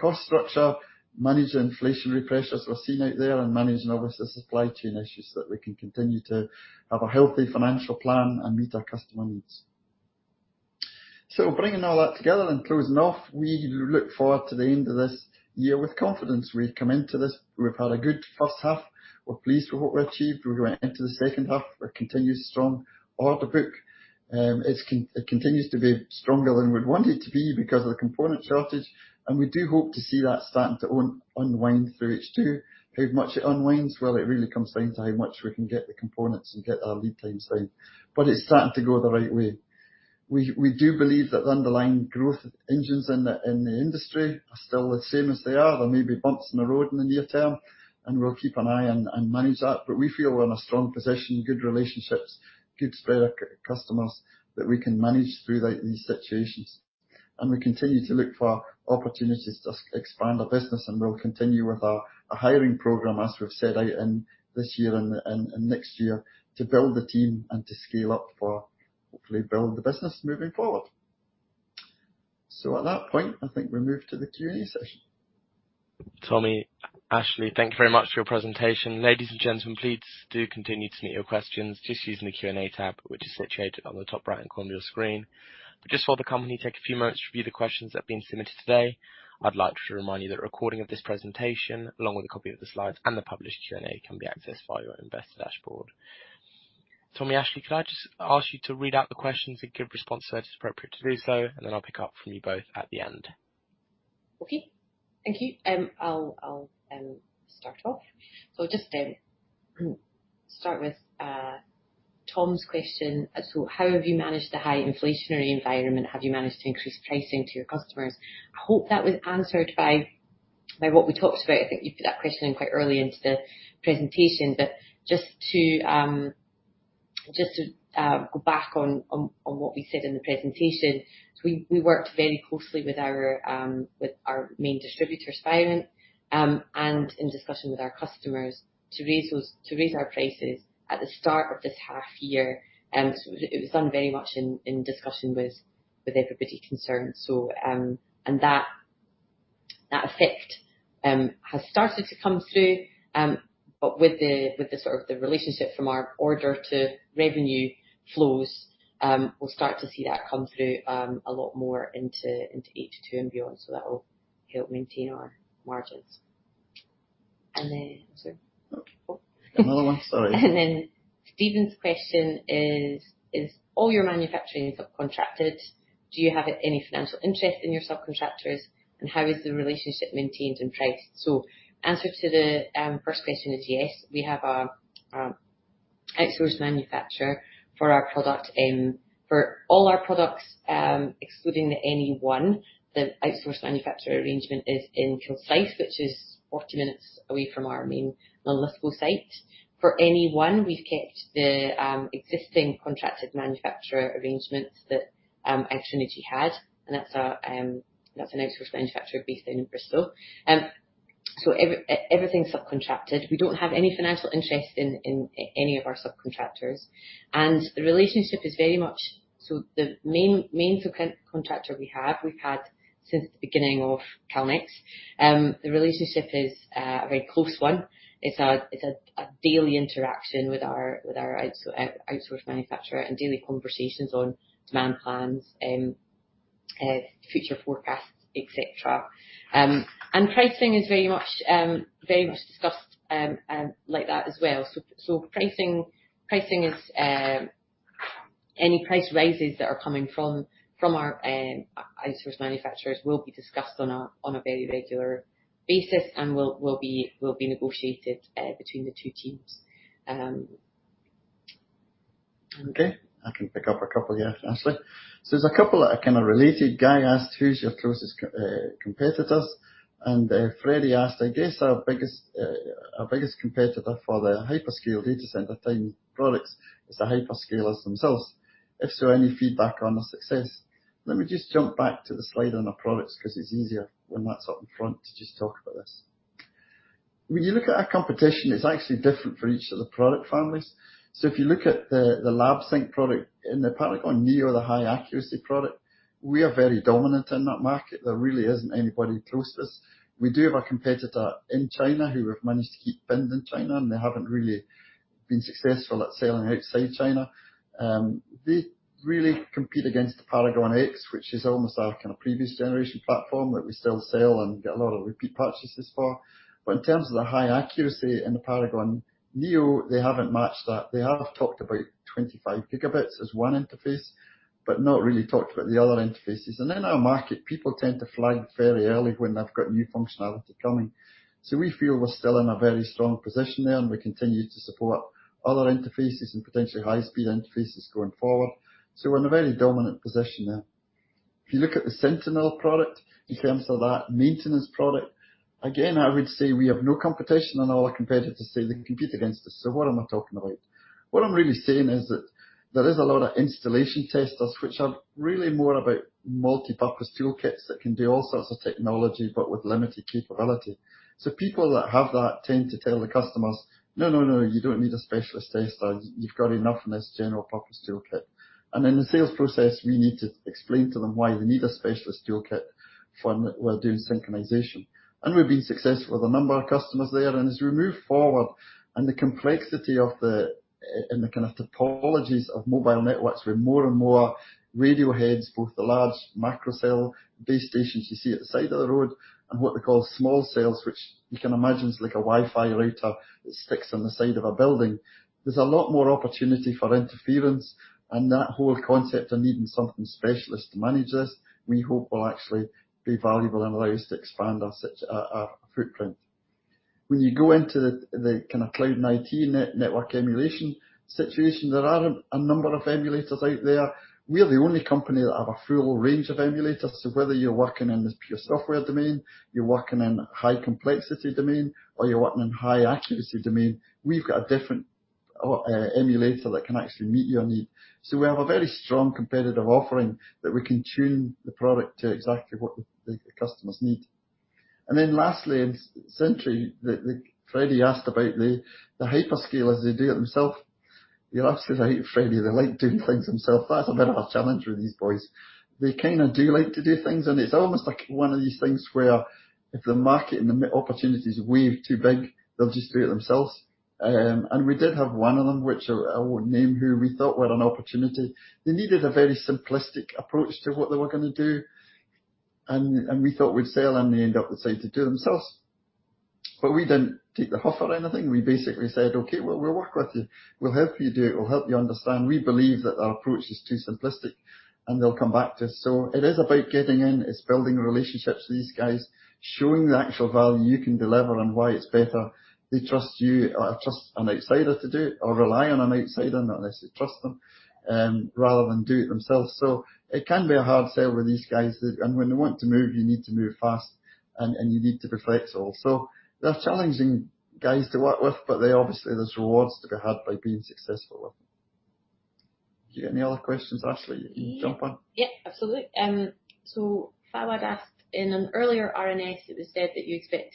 [SPEAKER 2] cost structure, manage the inflationary pressures we're seeing out there and manage, obviously, supply chain issues, so that we can continue to have a healthy financial plan and meet our customer needs. Bringing all that together and closing off, we look forward to the end of this year with confidence. We come into this, we've had a good first half. We're pleased with what we achieved. We're going into the second half with continued strong order book. It continues to be stronger than we'd want it to be because of the component shortage, and we do hope to see that starting to unwind through H2. How much it unwinds? Well, it really comes down to how much we can get the components and get our lead times right. It's starting to go the right way. We do believe that the underlying growth engines in the, in the industry are still the same as they are. There may be bumps in the road in the near term, and we'll keep an eye and manage that. We feel we're in a strong position, good relationships, good spread of customers that we can manage through, like, these situations. We continue to look for opportunities to expand our business, and we'll continue with our hiring program as we've set out in this year and next year to build the team and to scale up for hopefully build the business moving forward. At that point, I think we move to the Q&A session.
[SPEAKER 1] Tommy, Ashleigh, thank you very much for your presentation. Ladies and gentlemen, please do continue to submit your questions just using the Q&A tab, which is situated on the top right-hand corner of your screen. Just while the company take a few moments to review the questions that have been submitted today, I'd like to remind you that a recording of this presentation, along with a copy of the slides and the published Q&A, can be accessed via your investor dashboard. Tommy, Ashleigh, could I just ask you to read out the questions and give responses as appropriate to do so, and then I'll pick up from you both at the end.
[SPEAKER 3] Okay. Thank you. I'll start off. Just start with Tom's question. How have you managed the high inflationary environment? Have you managed to increase pricing to your customers? I hope that was answered by what we talked about. I think you put that question in quite early into the presentation. Just to go back on what we said in the presentation, we worked very closely with our main distributors, Spirent, and in discussion with our customers to raise our prices at the start of this half year. It was done very much in discussion with everybody concerned. That effect has started to come through. With the sort of the relationship from our order to revenue flows, we'll start to see that come through a lot more into H2 and beyond. That will help maintain our margins.
[SPEAKER 2] Okay.
[SPEAKER 3] Cool.
[SPEAKER 2] Got another one. Sorry.
[SPEAKER 3] Steven's question is all your manufacturing subcontracted? Do you have any financial interest in your subcontractors? How is the relationship maintained and priced? Answer to the first question is yes. We have a outsourced manufacturer for our product, for all our products, excluding the NE-ONE. The outsourced manufacturer arrangement is in Concise, which is 40 minutes away from our main Linlithgow site. For NE-ONE, we've kept the existing contracted manufacturer arrangements that iTrinegy had, and that's our that's an outsourced manufacturer based in Bristol. Everything's subcontracted. We don't have any financial interest in any of our subcontractors. The relationship is very much. The main subcontractor we have, we've had since the beginning of Calnex. The relationship is a very close one. It's a daily interaction with our outsource manufacturer and daily conversations on demand plans, future forecasts, et cetera. Pricing is very much discussed like that as well. Pricing is... Any price rises that are coming from our outsource manufacturers will be discussed on a very regular basis and will be negotiated between the two teams.
[SPEAKER 2] Okay. I can pick up a couple here, Ashleigh. There's a couple that are kinda related. Guy asked, "Who's your closest competitors?" Freddie asked, "I guess our biggest competitor for the hyperscale data center time products is the hyperscalers themselves. If so, any feedback on the success?" Let me just jump back to the slide on our products 'cause it's easier when that's up in front to just talk about this. When you look at our competition, it's actually different for each of the product families. If you look at the LabSync product, in the Paragon-Neo, the high accuracy product, we are very dominant in that market. There really isn't anybody close to us. We do have a competitor in China who have managed to keep pins in China, and they haven't really been successful at selling outside China. They really compete against the Paragon-X, which is almost our kinda previous generation platform that we still sell and get a lot of repeat purchases for. In terms of the high accuracy in the Paragon-Neo, they haven't matched that. They have talked about 25 gigabits as one interface, but not really talked about the other interfaces. In our market, people tend to flag fairly early when they've got new functionality coming. We feel we're still in a very strong position there, and we continue to support other interfaces and potentially high-speed interfaces going forward. We're in a very dominant position there. If you look at the Sentinel product, in terms of that maintenance product, again, I would say we have no competition and all our competitors say they compete against us. What am I talking about? What I'm really saying is that there is a lot of installation testers which are really more about multipurpose toolkits that can do all sorts of technology, but with limited capability. People that have that tend to tell the customers, "No, no, you don't need a specialist tester. You've got enough in this general purpose toolkit." In the sales process, we need to explain to them why they need a specialist toolkit for when we're doing synchronization. We've been successful with a number of customers there. As we move forward and the complexity of the kind of topologies of mobile networks with more and more radio heads, both the large microcell base stations you see at the side of the road, and what we call small cells, which you can imagine is like a Wi-Fi router that sticks on the side of a building, there's a lot more opportunity for interference and that whole concept of needing something specialist to manage this, we hope will actually be valuable and allow us to expand our set, our footprint. When you go into the kind of cloud and IT network emulation situation, there are a number of emulators out there. We're the only company that have a full range of emulators. Whether you're working in this pure software domain, you're working in a high complexity domain, or you're working in high accuracy domain, we've got a different emulator that can actually meet your need. We have a very strong competitive offering that we can tune the product to exactly what the customers need. Then lastly, and Sentry, Freddie asked about the hyperscalers, they do it themself. You'll obviously hate Freddie. They like doing things themselves. That's a bit of a challenge with these boys. They kinda do like to do things, and it's almost like one of these things where if the market and the opportunities wave too big, they'll just do it themselves. We did have one of them, which I won't name who, we thought were an opportunity. They needed a very simplistic approach to what they were gonna do. We thought we'd sell, and they ended up deciding to do it themselves. We didn't take the offer or anything. We basically said, "Okay. Well, we'll work with you. We'll help you do it. We'll help you understand. We believe that our approach is too simplistic, and they'll come back to us." It is about getting in. It's building relationships with these guys, showing the actual value you can deliver and why it's better. They trust you or trust an outsider to do it or rely on an outsider, not necessarily trust them, rather than do it themselves. It can be a hard sell with these guys. They. When they want to move, you need to move fast and you need to be flexible. They're challenging guys to work with, but they obviously there's rewards to be had by being successful with them. Do you get any other questions, Ashleigh, you can jump on?
[SPEAKER 3] Yeah. Yeah, absolutely. Fawad asked, "In an earlier RNS, it was said that you expect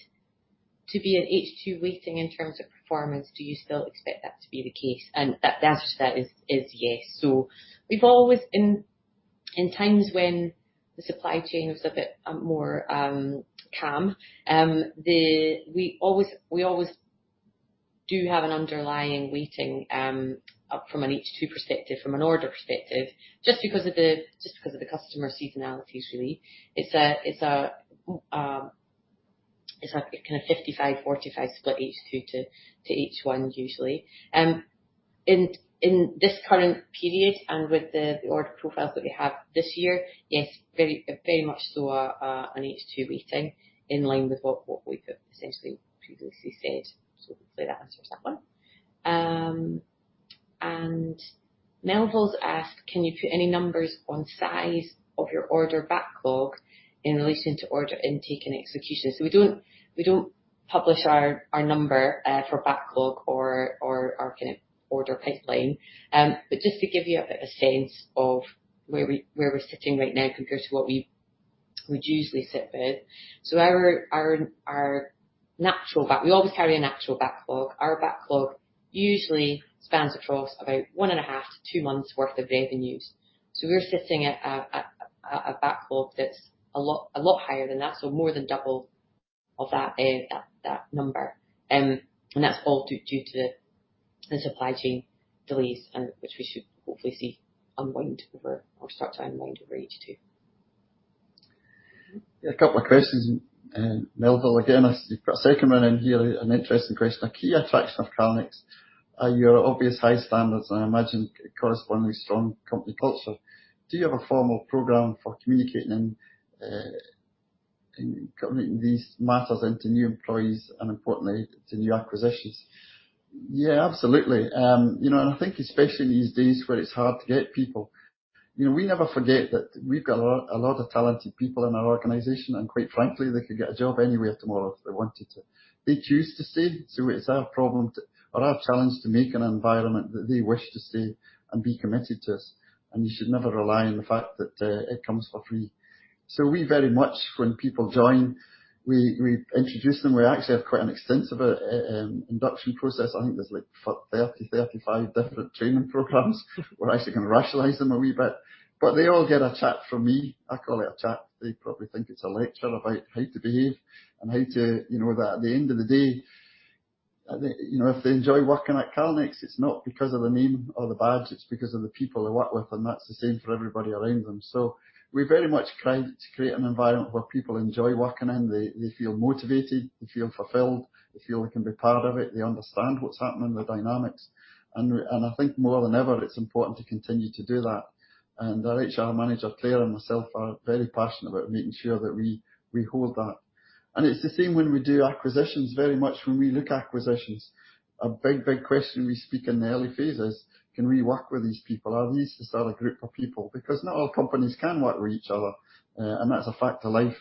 [SPEAKER 3] to be an H2 weighting in terms of performance. Do you still expect that to be the case?" The answer to that is yes. We've always in times when the supply chain was a bit more calm, we always do have an underlying weighting from an H2 perspective, from an order perspective, just because of the customer seasonality usually. It's a kind of 55, 45 split H2 to H1 usually. In this current period and with the order profiles that we have this year, yes, very, very much so an H2 weighting in line with what we have essentially previously said. Hopefully that answers that one. Melville's asked, "Can you put any numbers on size of your order backlog in relation to order intake and execution?" We don't, we don't publish our number for backlog or our kinda order pipeline. Just to give you a bit of sense of where we're sitting right now compared to what we'd usually sit with. We always carry a natural backlog. Our backlog usually spans across about one and a half to 2 months worth of revenues. We're sitting at a backlog that's a lot higher than that, more than double of that number. That's all due to the supply chain delays and which we should hopefully see start to unwind over H2.
[SPEAKER 2] Yeah, a couple of questions. Melville, again, I see you put a second one in here, an interesting question. A key attraction of Calnex are your obvious high standards, and I imagine correspondingly strong company culture. Do you have a formal program for communicating these matters into new employees and importantly to new acquisitions? Yeah, absolutely. You know, and I think especially these days where it's hard to get people, you know, we never forget that we've got a lot of talented people in our organization, and quite frankly, they could get a job anywhere tomorrow if they wanted to. They choose to stay, so it's our problem to or our challenge to make an environment that they wish to stay and be committed to us, and you should never rely on the fact that it comes for free. We very much when people join, we introduce them. We actually have quite an extensive induction process. I think there's like 30, 35 different training programs. We're actually gonna rationalize them a wee bit. They all get a chat from me. I call it a chat. They probably think it's a lecture about how to behave and how to, you know, that at the end of the day, you know, if they enjoy working at Calnex, it's not because of the name or the badge, it's because of the people they work with, and that's the same for everybody around them. We very much try to create an environment where people enjoy working, and they feel motivated, they feel fulfilled, they feel they can be part of it, they understand what's happening, the dynamics. I think more than ever, it's important to continue to do that. Our HR manager, Claire, and myself are very passionate about making sure that we hold that. It's the same when we do acquisitions very much when we look at acquisitions. A big question we speak in the early phases, can we work with these people? Are these the sort of group of people? Because not all companies can work with each other, and that's a fact of life.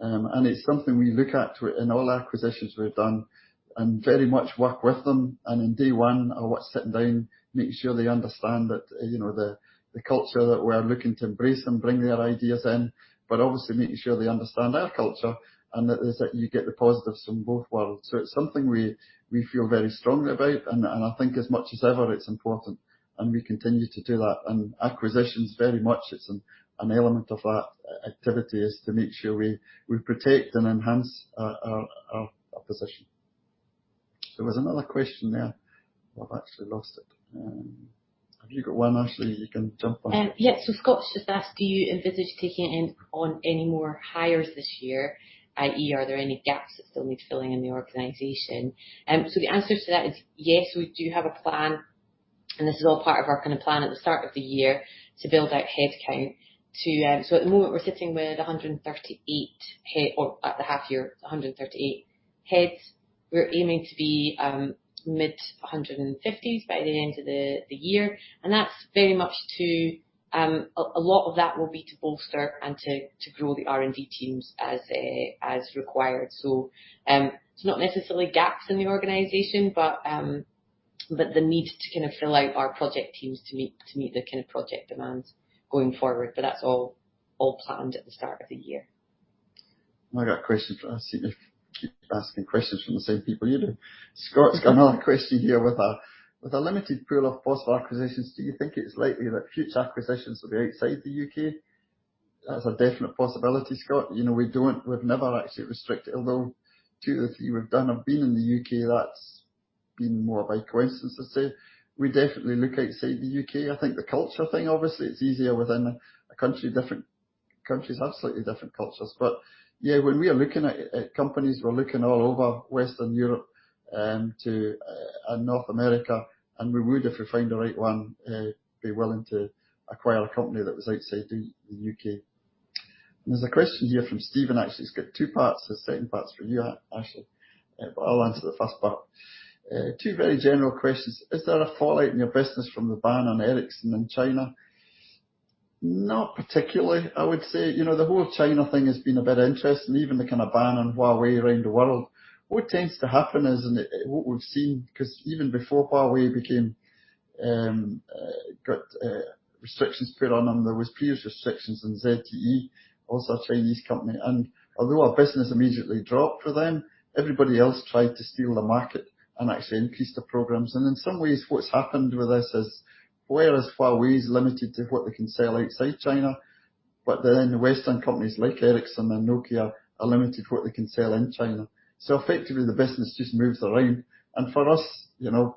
[SPEAKER 2] It's something we look at to in all acquisitions we've done and very much work with them. In day one sitting down, making sure they understand that, you know, the culture that we're looking to embrace and bring their ideas in, but obviously making sure they understand our culture and that is that you get the positives from both worlds. It's something we feel very strongly about. I think as much as ever, it's important, and we continue to do that. Acquisitions very much, it's an element of that activity is to make sure we protect and enhance our position. There was another question there. I've actually lost it. Have you got one, Ashleigh, you can jump on?
[SPEAKER 3] Yeah. Scott's just asked, do you envisage taking in, on any more hires this year, i.e., are there any gaps that still need filling in the organization? The answer to that is yes, we do have a plan, and this is all part of our kind of plan at the start of the year to build out headcount to. At the moment, we're sitting with 138 head or at the half year, 138 heads. We're aiming to be mid-150s by the end of the year. That's very much to, a lot of that will be to bolster and to grow the R&D teams as required. It's not necessarily gaps in the organization, but the need to kind of fill out our project teams to meet the kind of project demands going forward. That's all planned at the start of the year.
[SPEAKER 2] I got a question from. I see if I keep asking questions from the same people you do. Scott's got another question here. With a limited pool of possible acquisitions, do you think it's likely that future acquisitions will be outside the U.K.? That's a definite possibility, Scott. You know, we've never actually restricted, although two of the three we've done have been in the U.K. That's been more by coincidence, I say. We definitely look outside the U.K. I think the culture thing, obviously it's easier within a country. Different countries have slightly different cultures. Yeah, when we are looking at companies, we're looking all over Western Europe to North America, and we would, if we find the right one, be willing to acquire a company that was outside the U.K. There's a question here from Steven. Actually, it's got two parts. The second part's for you, Ashleigh. I'll answer the first part. Two very general questions. Is there a fallout in your business from the ban on Ericsson in China? Not particularly, I would say. You know, the whole China thing has been a bit interesting, even the kind of ban on Huawei around the world. What tends to happen is, and what we've seen, 'cause even before Huawei became, got restrictions put on them, there was previous restrictions on ZTE, also a Chinese company. Although our business immediately dropped for them, everybody else tried to steal the market and actually increased their programs. In some ways, what's happened with this is, whereas Huawei is limited to what they can sell outside China, but then the Western companies like Ericsson and Nokia are limited to what they can sell in China. Effectively, the business just moves around. For us, you know,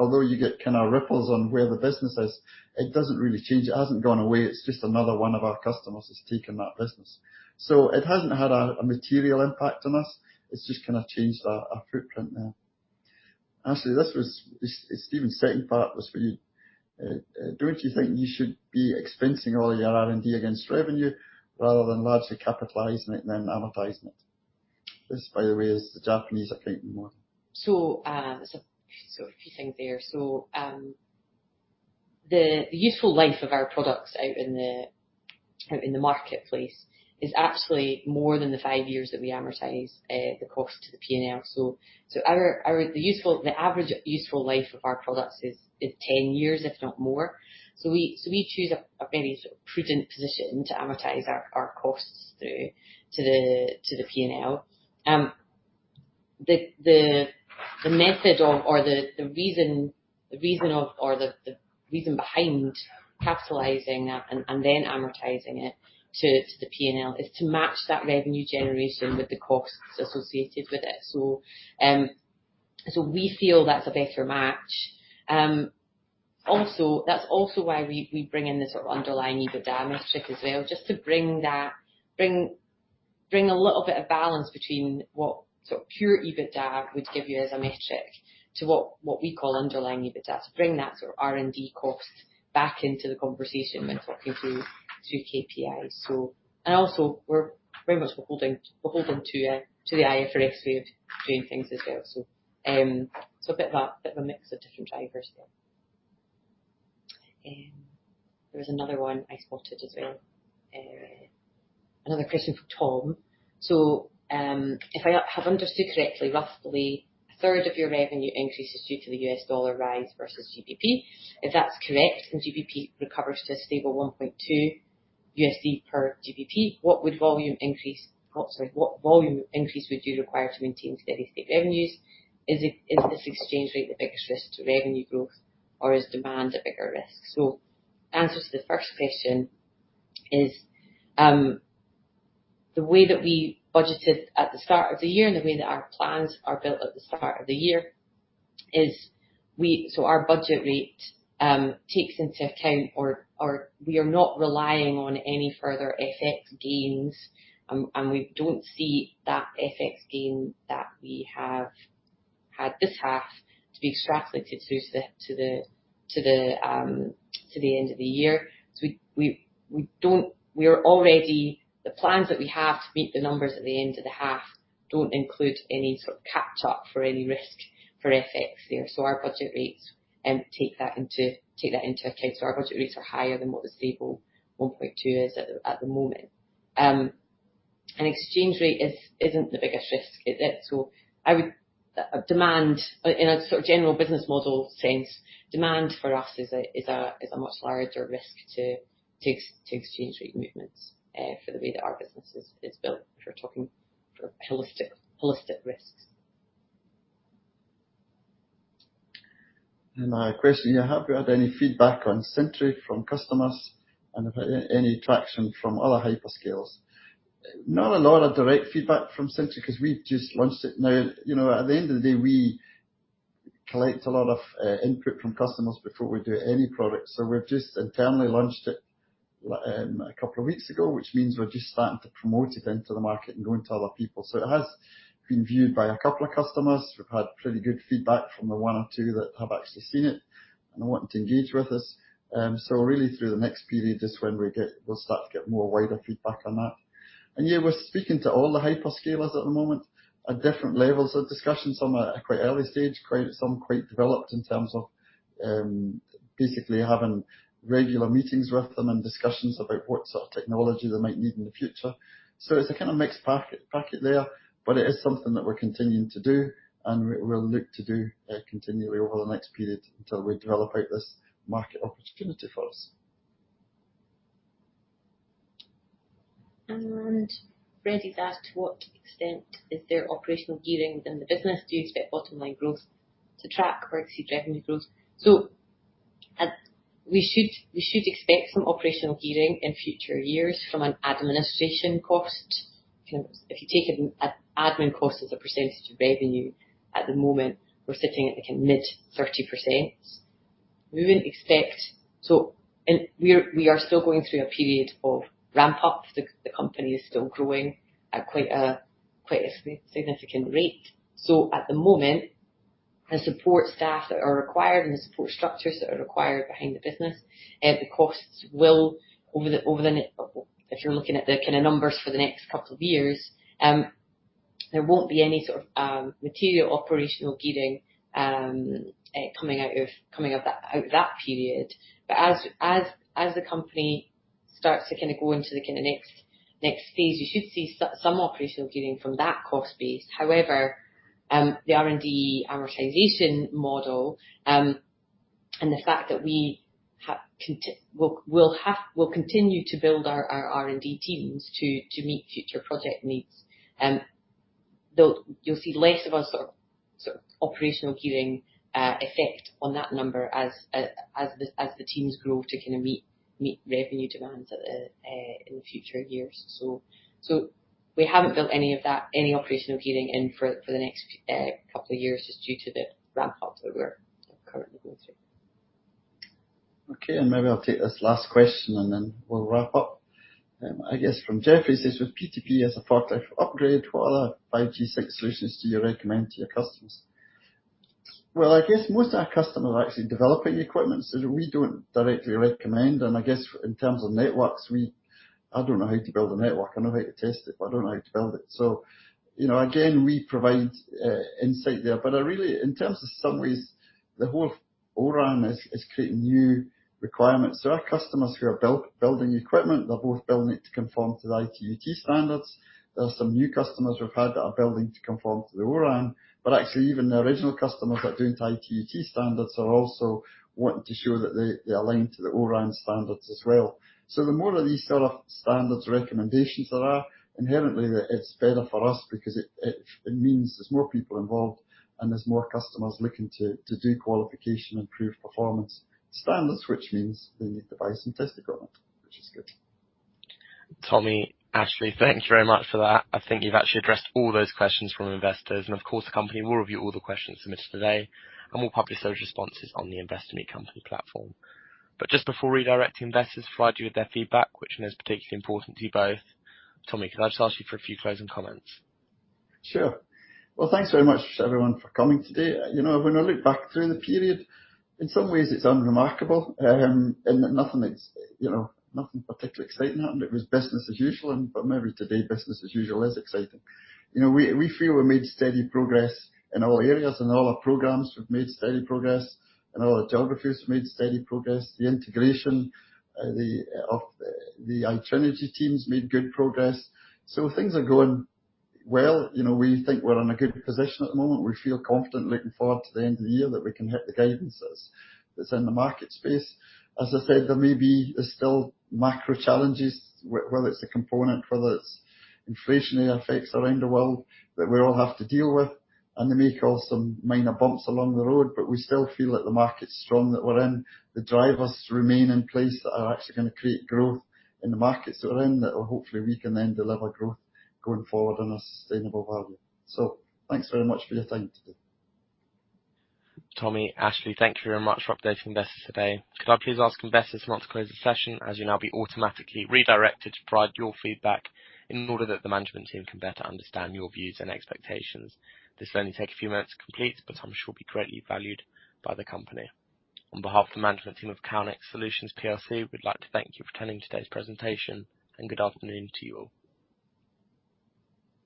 [SPEAKER 2] although you get kind of ripples on where the business is, it doesn't really change. It hasn't gone away. It's just another one of our customers has taken that business. It hasn't had a material impact on us. It's just kind of changed our footprint there. Ashleigh, this was Steven's second part was for you. Don't you think you should be expensing all your R&D against revenue rather than largely capitalizing it and then amortizing it? This, by the way, is the Japanese accounting model.
[SPEAKER 3] A few things there. The useful life of our products out in the marketplace is absolutely more than the five years that we amortize the cost to the P&L. The average useful life of our products is 10 years, if not more. We choose a very sort of prudent position to amortize our costs through to the P&L. The method of or the reason behind capitalizing and then amortizing it to the P&L is to match that revenue generation with the costs associated with it. We feel that's a better match. Also, that's also why we bring in the sort of underlying EBITDA metric as well, just to bring a little bit of balance between what sort of pure EBITDA would give you as a metric to what we call underlying EBITDA, to bring that sort of R&D cost back into the conversation when talking through KPIs. Also, we're very much we're holding to the IFRS way of doing things as well. A bit of a mix of different drivers there. There was another one I spotted as well. Another question from Tom. If I have understood correctly, roughly a third of your revenue increase is due to the US dollar rise versus GBP. If that's correct, when GBP recovers to a stable 1.2 USD per GBP, what volume increase would you require to maintain steady state revenues? Is it, is this exchange rate the biggest risk to revenue growth, or is demand a bigger risk? The answer to the first question is, the way that we budgeted at the start of the year and the way that our plans are built at the start of the year is our budget rate takes into account or we are not relying on any further FX gains, and we don't see that FX gain that we have had this half to be extrapolated to the end of the year. We don't. We're already The plans that we have to meet the numbers at the end of the half don't include any sort of catch up for any risk for FX there. Our budget rates take that into account. Our budget rates are higher than what the stable 1.2 is at the moment. Exchange rate is, isn't the biggest risk. Demand in a sort of general business model sense, demand for us is a much larger risk to exchange rate movements for the way that our business is built, if we're talking for holistic risks.
[SPEAKER 2] A question here. Have you had any feedback on Sentry from customers and any traction from other hyperscalers? Not a lot of direct feedback from Sentry 'cause we just launched it now. You know, at the end of the day, we collect a lot of input from customers before we do any product. We've just internally launched it a couple of weeks ago, which means we're just starting to promote it into the market and going to other people. It has been viewed by a couple of customers. We've had pretty good feedback from the one or two that have actually seen it and are wanting to engage with us. Really through the next period is when we'll start to get more wider feedback on that. Yeah, we're speaking to all the hyperscalers at the moment at different levels of discussion. Some are at quite early stage, some quite developed in terms of basically having regular meetings with them and discussions about what sort of technology they might need in the future. It's a kind of mixed packet there, but it is something that we're continuing to do and we'll look to do continually over the next period until we develop out this market opportunity for us.
[SPEAKER 3] Freddie asked, "What extent is there operational gearing within the business due to bottom line growth to track or exceed revenue growth?" We should expect some operational gearing in future years from an administration cost. If you take an admin cost as a percentage of revenue, at the moment, we're sitting at like a mid 30%. We wouldn't expect. We are still going through a period of ramp up. The company is still growing at quite a significant rate. At the moment, the support staff that are required and the support structures that are required behind the business, the costs will over the ne... If you're looking at the kinda numbers for the next couple of years, there won't be any sort of material operational gearing coming out of that period. As the company starts to kinda go into the kinda next phase, you should see some operational gearing from that cost base. However, the R&D amortization model, and the fact that we'll continue to build our R&D teams to meet future project needs. You'll see less of a sort of operational gearing effect on that number as the teams grow to kinda meet revenue demands in the future years. We haven't built any of that, any operational gearing in for the next couple of years just due to the ramp up that we're currently going through.
[SPEAKER 2] Okay. Maybe I'll take this last question and then we'll wrap up. I guess from Jeff, he says, "With PTP as a product for upgrade, what other 5G six solutions do you recommend to your customers?" Well, I guess most of our customers are actually developing the equipment, so we don't directly recommend. I guess in terms of networks, I don't know how to build a network. I know how to test it, but I don't know how to build it. You know, again, we provide insight there. In terms of some ways, the whole O-RAN is creating new requirements. There are customers who are building equipment. They're both building it to conform to the ITU-T standards. There are some new customers we've had that are building to conform to the O-RAN, but actually even the original customers that are doing ITU-T standards are also wanting to show that they align to the O-RAN standards as well. The more of these sort of standards recommendations there are, inherently it's better for us because it means there's more people involved and there's more customers looking to do qualification and prove performance standards, which means they need to buy some test equipment, which is good.
[SPEAKER 1] Tommy, Ashleigh, thank you very much for that. I think you've actually addressed all those questions from investors. Of course the company will review all the questions submitted today, and we'll publish those responses on the Investor Meet Company platform. Just before redirecting investors to provide you with their feedback, which I know is particularly important to you both, Tommy, could I just ask you for a few closing comments?
[SPEAKER 2] Sure. Well, thanks very much everyone for coming today. You know, when I look back through the period, in some ways it's unremarkable, in that nothing is, you know, nothing particularly exciting happened. It was business as usual but maybe today business as usual is exciting. You know, we feel we've made steady progress in all areas and all our programs we've made steady progress, in all our geographies we've made steady progress. The integration the iTrinegy teams made good progress. Things are going well. You know, we think we're in a good position at the moment. We feel confident looking forward to the end of the year that we can hit the guidances that's in the market space. As I said, there may be... There's still macro challenges, whether it's a component, whether it's inflationary effects around the world that we all have to deal with. They may cause some minor bumps along the road, we still feel that the market's strong that we're in. The drivers remain in place that are actually gonna create growth in the markets that we're in, that will hopefully we can then deliver growth going forward on a sustainable value. Thanks very much for your time today.
[SPEAKER 1] Tommy, Ashleigh, thank you very much for updating investors today. Could I please ask investors now to close the session, as you'll now be automatically redirected to provide your feedback in order that the management team can better understand your views and expectations. This will only take a few minutes to complete, but I'm sure will be greatly valued by the company. On behalf of the management team of Calnex Solutions plc, we'd like to thank you for attending today's presentation and good afternoon to you all.